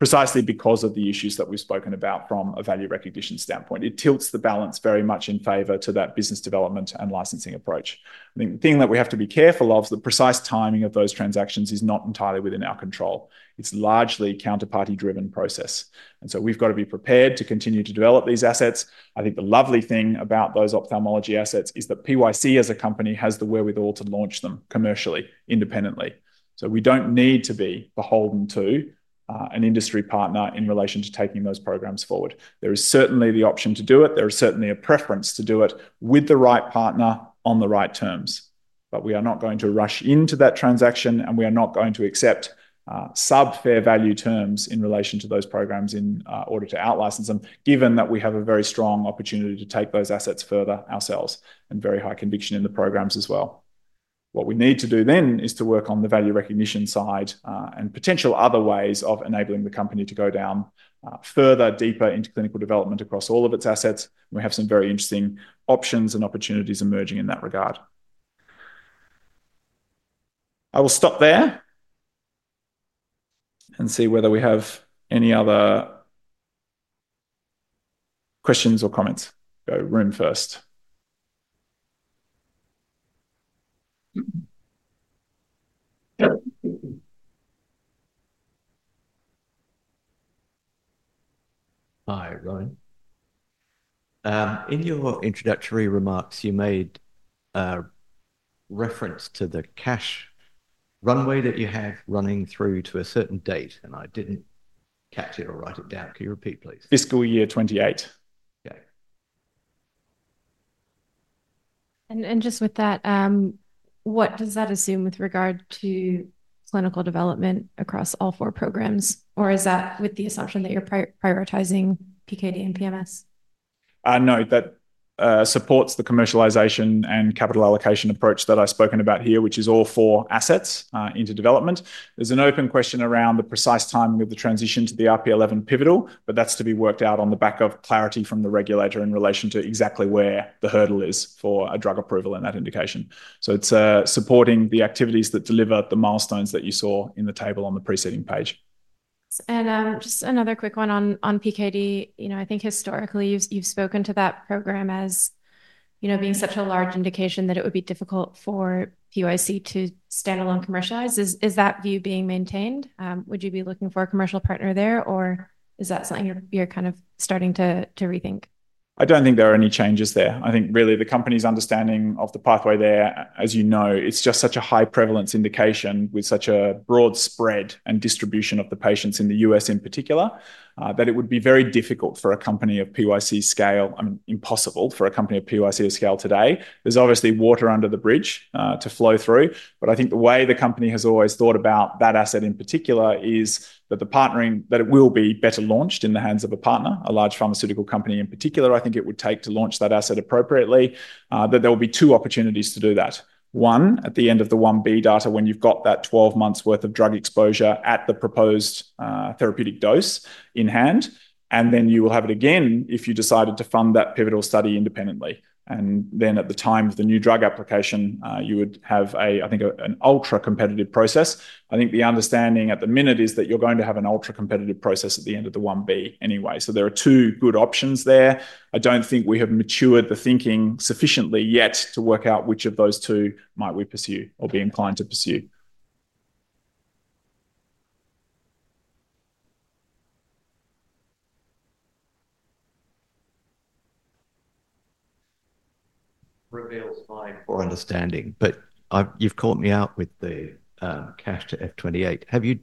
precisely because of the issues that we've spoken about from a value recognition standpoint. It tilts the balance very much in favor to that business development and licensing approach. I think the thing that we have to be careful of is the precise timing of those transactions is not entirely within our control. It's largely a counterparty-driven process. And so we've got to be prepared to continue to develop these assets. I think the lovely thing about those ophthalmology assets is that PYC as a company has the wherewithal to launch them commercially independently. So we don't need to be beholden to an industry partner in relation to taking those programs forward. There is certainly the option to do it. There is certainly a preference to do it with the right partner on the right terms. But we are not going to rush into that transaction, and we are not going to accept sub-fair value terms in relation to those programs in order to out-license them, given that we have a very strong opportunity to take those assets further ourselves and very high conviction in the programs as well. What we need to do then is to work on the value recognition side and potential other ways of enabling the company to go down further, deeper into clinical development across all of its assets. We have some very interesting options and opportunities emerging in that regard. I will stop there and see whether we have any other questions or comments. Go room first. Hi, Rohan. In your introductory remarks, you made reference to the cash runway that you have running through to a certain date, and I didn't catch it or write it down. Can you repeat, please? Fiscal year 2028. Okay. And just with that, what does that assume with regard to clinical development across all four programs, or is that with the assumption that you're prioritizing PKD and PMS? No, that supports the commercialization and capital allocation approach that I've spoken about here, which is all four assets into development. There's an open question around the precise timing of the transition to the RP11 pivotal, but that's to be worked out on the back of clarity from the regulator in relation to exactly where the hurdle is for a drug approval in that indication. So it's supporting the activities that deliver the milestones that you saw in the table on the preceding page. Just another quick one on PKD. You know, I think historically you've spoken to that program as being such a large indication that it would be difficult for PYC to stand alone commercialize. Is that view being maintained? Would you be looking for a commercial partner there, or is that something you're kind of starting to rethink? I don't think there are any changes there. I think really the company's understanding of the pathway there, as you know, it's just such a high prevalence indication with such a broad spread and distribution of the patients in the U.S. in particular, that it would be very difficult for a company of PYC scale. I mean, impossible for a company of PYC scale today. There's obviously water under the bridge to flow through. But I think the way the company has always thought about that asset in particular is that the partnering, that it will be better launched in the hands of a partner, a large pharmaceutical company in particular. I think it would take to launch that asset appropriately, that there will be two opportunities to do that. One, at the end of the Ib data, when you've got that 12 months' worth of drug exposure at the proposed therapeutic dose in hand, and then you will have it again if you decided to fund that pivotal study independently. And then at the time of the new drug application, you would have a, I think, an ultra-competitive process. I think the understanding at the minute is that you're going to have an ultra-competitive process at the end of the Ib anyway. So there are two good options there. I don't think we have matured the thinking sufficiently yet to work out which of those two might we pursue or be inclined to pursue. Reveals my poor understanding, but you've caught me out with the cash to FY2028. Have you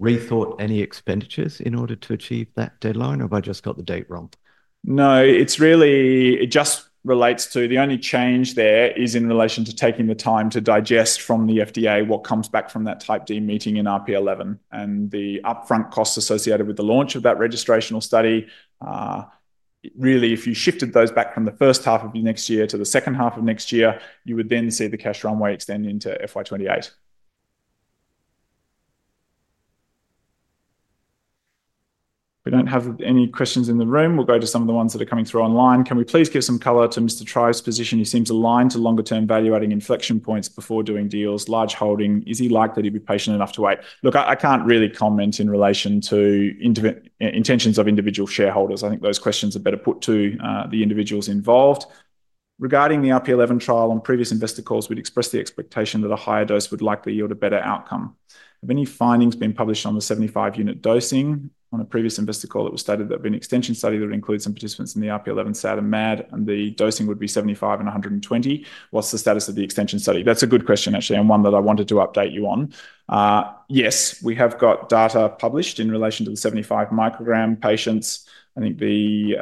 rethought any expenditures in order to achieve that deadline, or have I just got the date wrong? No, it's really it just relates to the only change there is in relation to taking the time to digest from the FDA what comes back from that Type D meeting in RP11 and the upfront costs associated with the launch of that registrational study. Really, if you shifted those back from the first half of next year to the second half of next year, you would then see the cash runway extend into FY2028. We don't have any questions in the room. We'll go to some of the ones that are coming through online. Can we please give some color to Mr. Tribe's position? He seems aligned to longer-term valuating inflection points before doing deals. Large holding, is he likely to be patient enough to wait? Look, I can't really comment in relation to intentions of individual shareholders. I think those questions are better put to the individuals involved. Regarding the RP11 trial on previous investor calls, we'd express the expectation that a higher dose would likely yield a better outcome. Have any findings been published on the 75-unit dosing on a previous investor call that was stated that there'd been an extension study that would include some participants in the RP11 SAD and MAD, and the dosing would be 75 and 120? What's the status of the extension study? That's a good question, actually, and one that I wanted to update you on. Yes, we have got data published in relation to the 75 microgram patients. I think the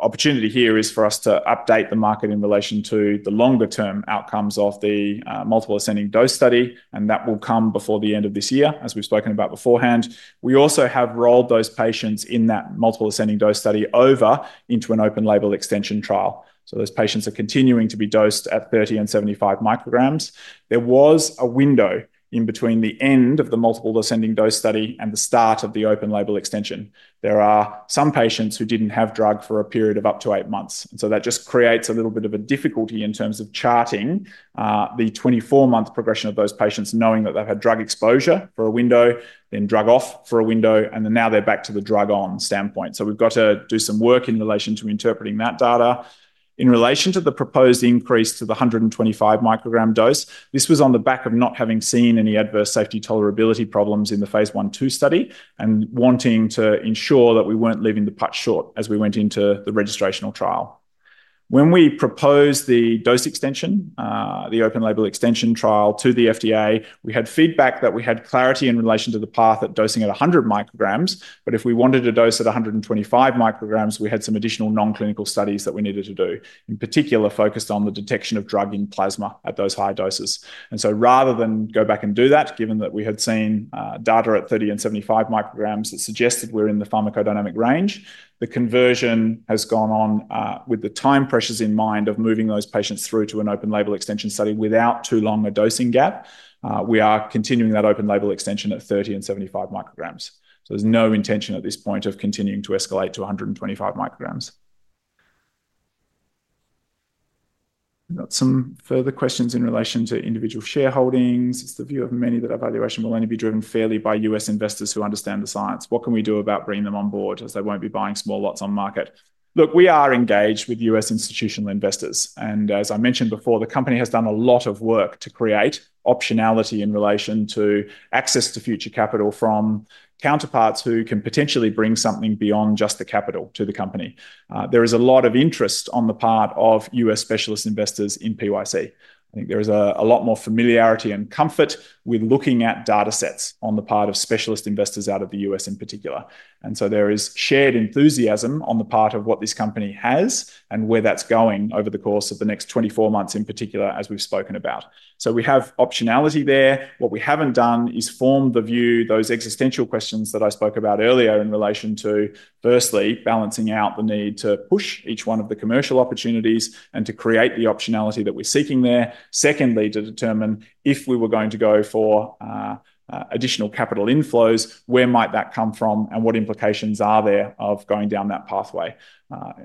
opportunity here is for us to update the market in relation to the longer-term outcomes of the multiple ascending dose study, and that will come before the end of this year, as we've spoken about beforehand. We also have rolled those patients in that multiple ascending dose study over into an open label extension trial. So those patients are continuing to be dosed at 30 µg and 75 µg. There was a window in between the end of the multiple ascending dose study and the start of the open label extension. There are some patients who didn't have drug for a period of up to eight months. That just creates a little bit of a difficulty in terms of charting the 24-month progression of those patients, knowing that they've had drug exposure for a window, then drug off for a window, and then now they're back to the drug-on standpoint. So we've got to do some work in relation to interpreting that data. In relation to the proposed increase to the 125-microgram dose, this was on the back of not having seen any adverse safety tolerability problems in the phase I-II study and wanting to ensure that we weren't leaving the putt short as we went into the registrational trial. When we proposed the dose extension, the open-label extension trial to the FDA, we had feedback that we had clarity in relation to the path at dosing at 100 micrograms. But if we wanted to dose at 125 µg, we had some additional non-clinical studies that we needed to do, in particular focused on the detection of drug in plasma at those high doses. And so rather than go back and do that, given that we had seen data at 30 and 75 micrograms that suggested we're in the pharmacodynamic range, the conversion has gone on with the time pressures in mind of moving those patients through to an open label extension study without too long a dosing gap. We are continuing that open label extension at 30 µg and 75 µg. So there's no intention at this point of continuing to escalate to 125 µg. We've got some further questions in relation to individual shareholdings. It's the view of many that our valuation will only be driven fairly by U.S. investors who understand the science. What can we do about bringing them on board as they won't be buying small lots on market? Look, we are engaged with U.S. institutional investors, and as I mentioned before, the company has done a lot of work to create optionality in relation to access to future capital from counterparts who can potentially bring something beyond just the capital to the company. There is a lot of interest on the part of U.S. specialist investors in PYC. I think there is a lot more familiarity and comfort with looking at data sets on the part of specialist investors out of the U.S. in particular, and so there is shared enthusiasm on the part of what this company has and where that's going over the course of the next 24 months in particular, as we've spoken about, so we have optionality there. What we haven't done is form the view, those existential questions that I spoke about earlier in relation to, firstly, balancing out the need to push each one of the commercial opportunities and to create the optionality that we're seeking there. Secondly, to determine if we were going to go for additional capital inflows, where might that come from and what implications are there of going down that pathway?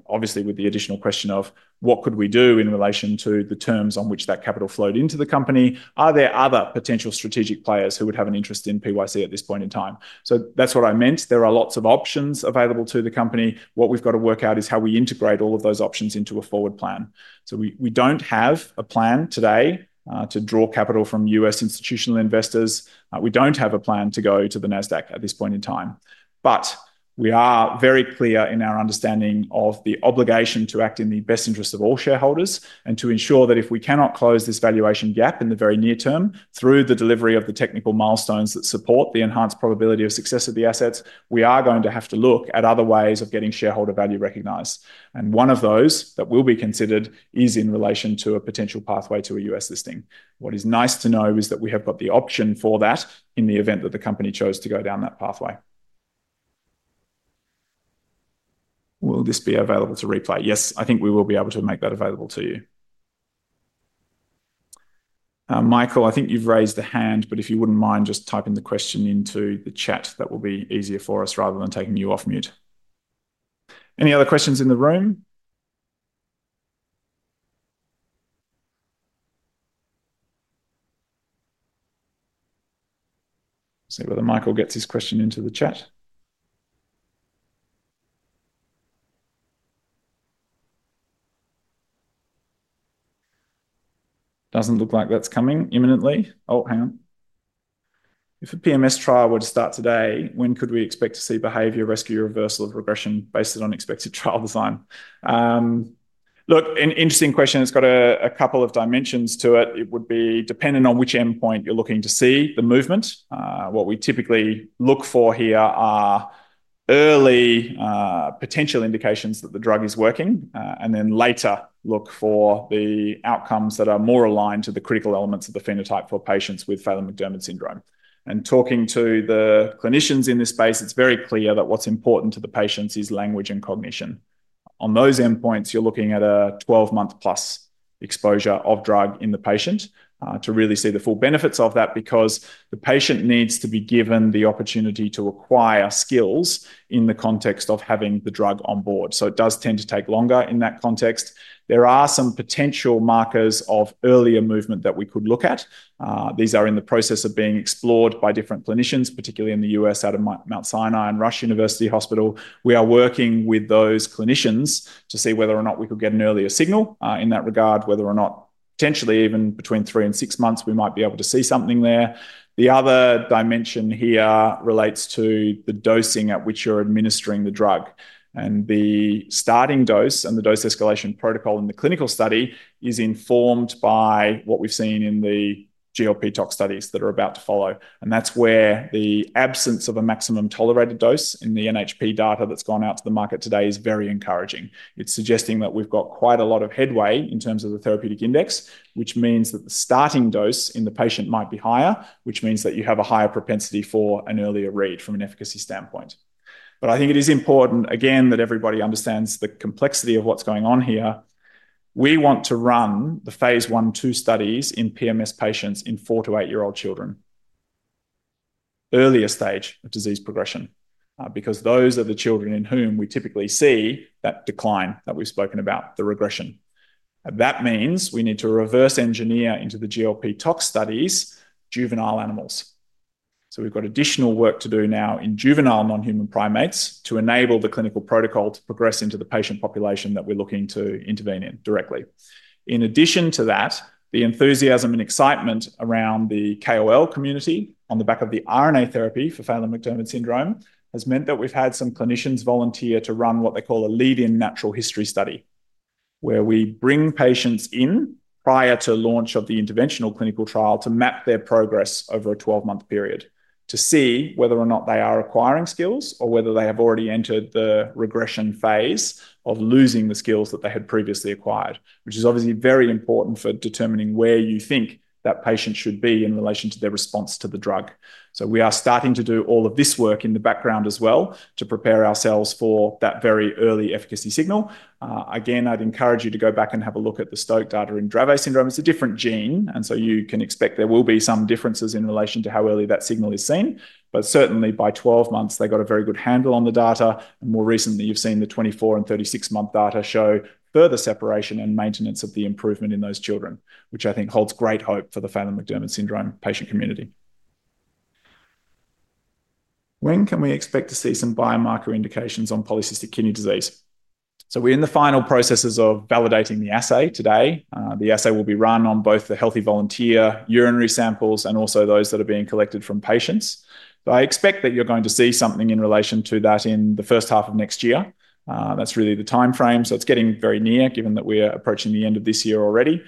Obviously, with the additional question of what could we do in relation to the terms on which that capital flowed into the company? Are there other potential strategic players who would have an interest in PYC at this point in time? So that's what I meant. There are lots of options available to the company. What we've got to work out is how we integrate all of those options into a forward plan. So we don't have a plan today to draw capital from U.S. institutional investors. We don't have a plan to go to the Nasdaq at this point in time. But we are very clear in our understanding of the obligation to act in the best interest of all shareholders and to ensure that if we cannot close this valuation gap in the very near term through the delivery of the technical milestones that support the enhanced probability of success of the assets, we are going to have to look at other ways of getting shareholder value recognized. And one of those that will be considered is in relation to a potential pathway to a U.S. listing. What is nice to know is that we have got the option for that in the event that the company chose to go down that pathway. Will this be available to replay? Yes, I think we will be able to make that available to you. Michael, I think you've raised a hand, but if you wouldn't mind just typing the question into the chat, that will be easier for us rather than taking you off mute. Any other questions in the room? See whether Michael gets his question into the chat. Doesn't look like that's coming imminently. Oh, hang on. If a PMS trial were to start today, when could we expect to see behavior rescue reversal of regression based on expected trial design? Look, an interesting question. It's got a couple of dimensions to it. It would be dependent on which endpoint you're looking to see the movement. What we typically look for here are early potential indications that the drug is working, and then later look for the outcomes that are more aligned to the critical elements of the phenotype for patients with Phelan-McDermid syndrome, and talking to the clinicians in this space, it's very clear that what's important to the patients is language and cognition. On those endpoints, you're looking at a 12-month+ exposure of drug in the patient to really see the full benefits of that because the patient needs to be given the opportunity to acquire skills in the context of having the drug on board, so it does tend to take longer in that context. There are some potential markers of earlier movement that we could look at. These are in the process of being explored by different clinicians, particularly in the U.S. out of Mount Sinai and Rush University. We are working with those clinicians to see whether or not we could get an earlier signal in that regard, whether or not potentially even between three and six months we might be able to see something there. The other dimension here relates to the dosing at which you're administering the drug. The starting dose and the dose escalation protocol in the clinical study is informed by what we've seen in the GLP tox studies that are about to follow. That's where the absence of a maximum tolerated dose in the NHP data that's gone out to the market today is very encouraging. It's suggesting that we've got quite a lot of headway in terms of the therapeutic index, which means that the starting dose in the patient might be higher, which means that you have a higher propensity for an earlier read from an efficacy standpoint. But I think it is important, again, that everybody understands the complexity of what's going on here. We want to run the phase one, two studies in PMS patients in four- to eight-year-old children, earlier stage of disease progression, because those are the children in whom we typically see that decline that we've spoken about, the regression. That means we need to reverse engineer into the GLP tox studies juvenile animals. So we've got additional work to do now in juvenile non-human primates to enable the clinical protocol to progress into the patient population that we're looking to intervene in directly. In addition to that, the enthusiasm and excitement around the KOL community on the back of the RNA therapy for Phelan-McDermid syndrome has meant that we've had some clinicians volunteer to run what they call a lead-in natural history study, where we bring patients in prior to launch of the interventional clinical trial to map their progress over a 12-month period to see whether or not they are acquiring skills or whether they have already entered the regression phase of losing the skills that they had previously acquired, which is obviously very important for determining where you think that patient should be in relation to their response to the drug. So we are starting to do all of this work in the background as well to prepare ourselves for that very early efficacy signal. Again, I'd encourage you to go back and have a look at the Stoke data in Dravet syndrome. It's a different gene, and so you can expect there will be some differences in relation to how early that signal is seen. But certainly, by 12 months, they've got a very good handle on the data. And more recently, you've seen the 24- and 36-month data show further separation and maintenance of the improvement in those children, which I think holds great hope for the Phelan-McDermid syndrome patient community. When can we expect to see some biomarker indications on polycystic kidney disease? We're in the final processes of validating the assay today. The assay will be run on both the healthy volunteer urinary samples and also those that are being collected from patients. But I expect that you're going to see something in relation to that in the first half of next year. That's really the time frame. So it's getting very near given that we're approaching the end of this year already.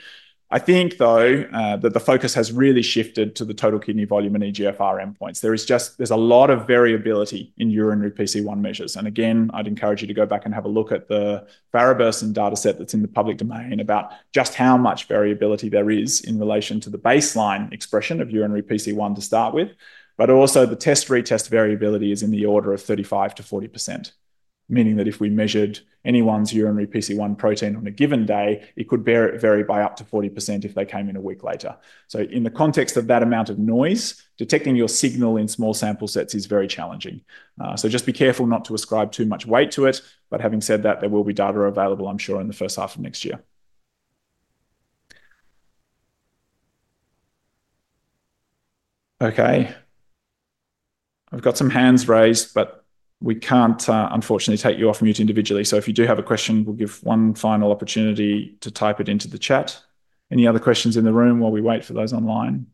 I think, though, that the focus has really shifted to the total kidney volume and eGFR endpoints. There is just, there's a lot of variability in urinary PKD1 measures. And again, I'd encourage you to go back and have a look at the various datasets that's in the public domain about just how much variability there is in relation to the baseline expression of urinary PKD1 to start with. But also the test-retest variability is in the order of 35%-40%, meaning that if we measured anyone's urinary PKD1 protein on a given day, it could vary by up to 40% if they came in a week later. So in the context of that amount of noise, detecting your signal in small sample sets is very challenging. So just be careful not to ascribe too much weight to it. But having said that, there will be data available, I'm sure, in the first half of next year. Okay. We've got some hands raised, but we can't, unfortunately, take you off mute individually. So if you do have a question, we'll give one final opportunity to type it into the chat. Any other questions in the room while we wait for those online?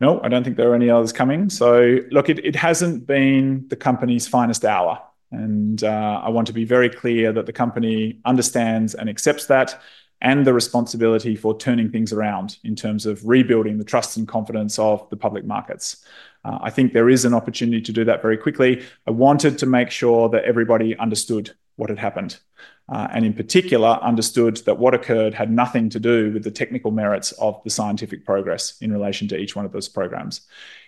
No, I don't think there are any others coming. So look, it hasn't been the company's finest hour. And I want to be very clear that the company understands and accepts that and the responsibility for turning things around in terms of rebuilding the trust and confidence of the public markets. I think there is an opportunity to do that very quickly. I wanted to make sure that everybody understood what had happened and in particular understood that what occurred had nothing to do with the technical merits of the scientific progress in relation to each one of those programs.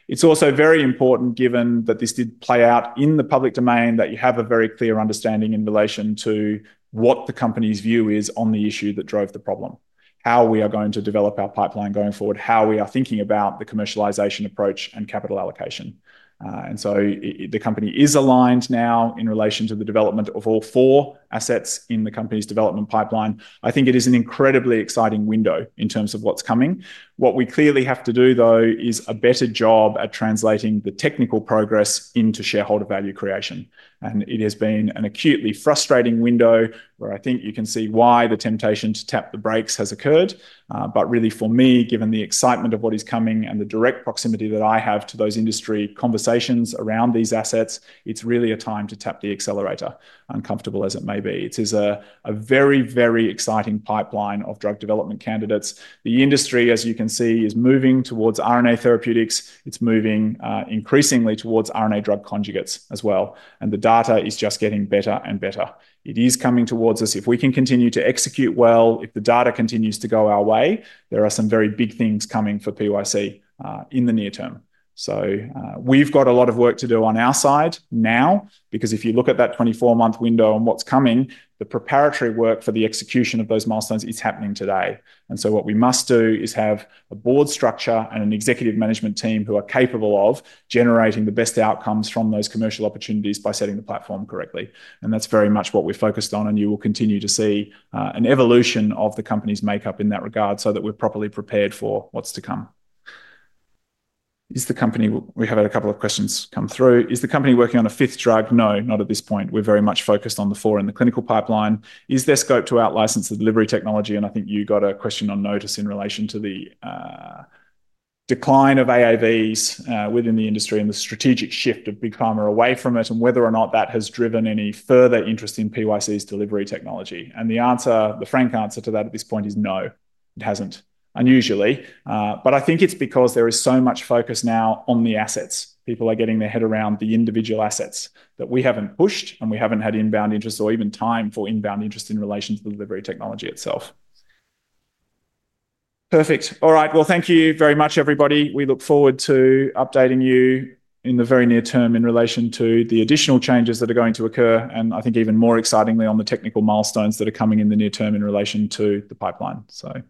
It's also very important, given that this did play out in the public domain, that you have a very clear understanding in relation to what the company's view is on the issue that drove the problem, how we are going to develop our pipeline going forward, how we are thinking about the commercialization approach and capital allocation. And so the company is aligned now in relation to the development of all four assets in the company's development pipeline. I think it is an incredibly exciting window in terms of what's coming. What we clearly have to do, though, is a better job at translating the technical progress into shareholder value creation. And it has been an acutely frustrating window where I think you can see why the temptation to tap the brakes has occurred. But really, for me, given the excitement of what is coming and the direct proximity that I have to those industry conversations around these assets, it's really a time to tap the accelerator, uncomfortable as it may be. It is a very, very exciting pipeline of drug development candidates. The industry, as you can see, is moving towards RNA therapeutics. It's moving increasingly towards RNA drug conjugates as well. The data is just getting better and better. It is coming towards us. If we can continue to execute well, if the data continues to go our way, there are some very big things coming for PYC in the near term. We've got a lot of work to do on our side now, because if you look at that 24-month window and what's coming, the preparatory work for the execution of those milestones is happening today. What we must do is have a board structure and an executive management team who are capable of generating the best outcomes from those commercial opportunities by setting the platform correctly. That's very much what we're focused on. You will continue to see an evolution of the company's makeup in that regard so that we're properly prepared for what's to come. Is the company, we have had a couple of questions come through. Is the company working on a fifth drug? No, not at this point. We're very much focused on the four in the clinical pipeline. Is there scope to outlicense the delivery technology? And I think you got a question on notice in relation to the decline of AAVs within the industry and the strategic shift of Big Pharma away from it and whether or not that has driven any further interest in PYC's delivery technology. And the answer, the frank answer to that at this point is no, it hasn't. Unusually. But I think it's because there is so much focus now on the assets. People are getting their head around the individual assets that we haven't pushed and we haven't had inbound interest or even time for inbound interest in relation to the delivery technology itself. Perfect. All right, well, thank you very much, everybody. We look forward to updating you in the very near term in relation to the additional changes that are going to occur, and I think even more excitingly on the technical milestones that are coming in the near term in relation to the pipeline, so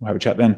we'll have a chat then.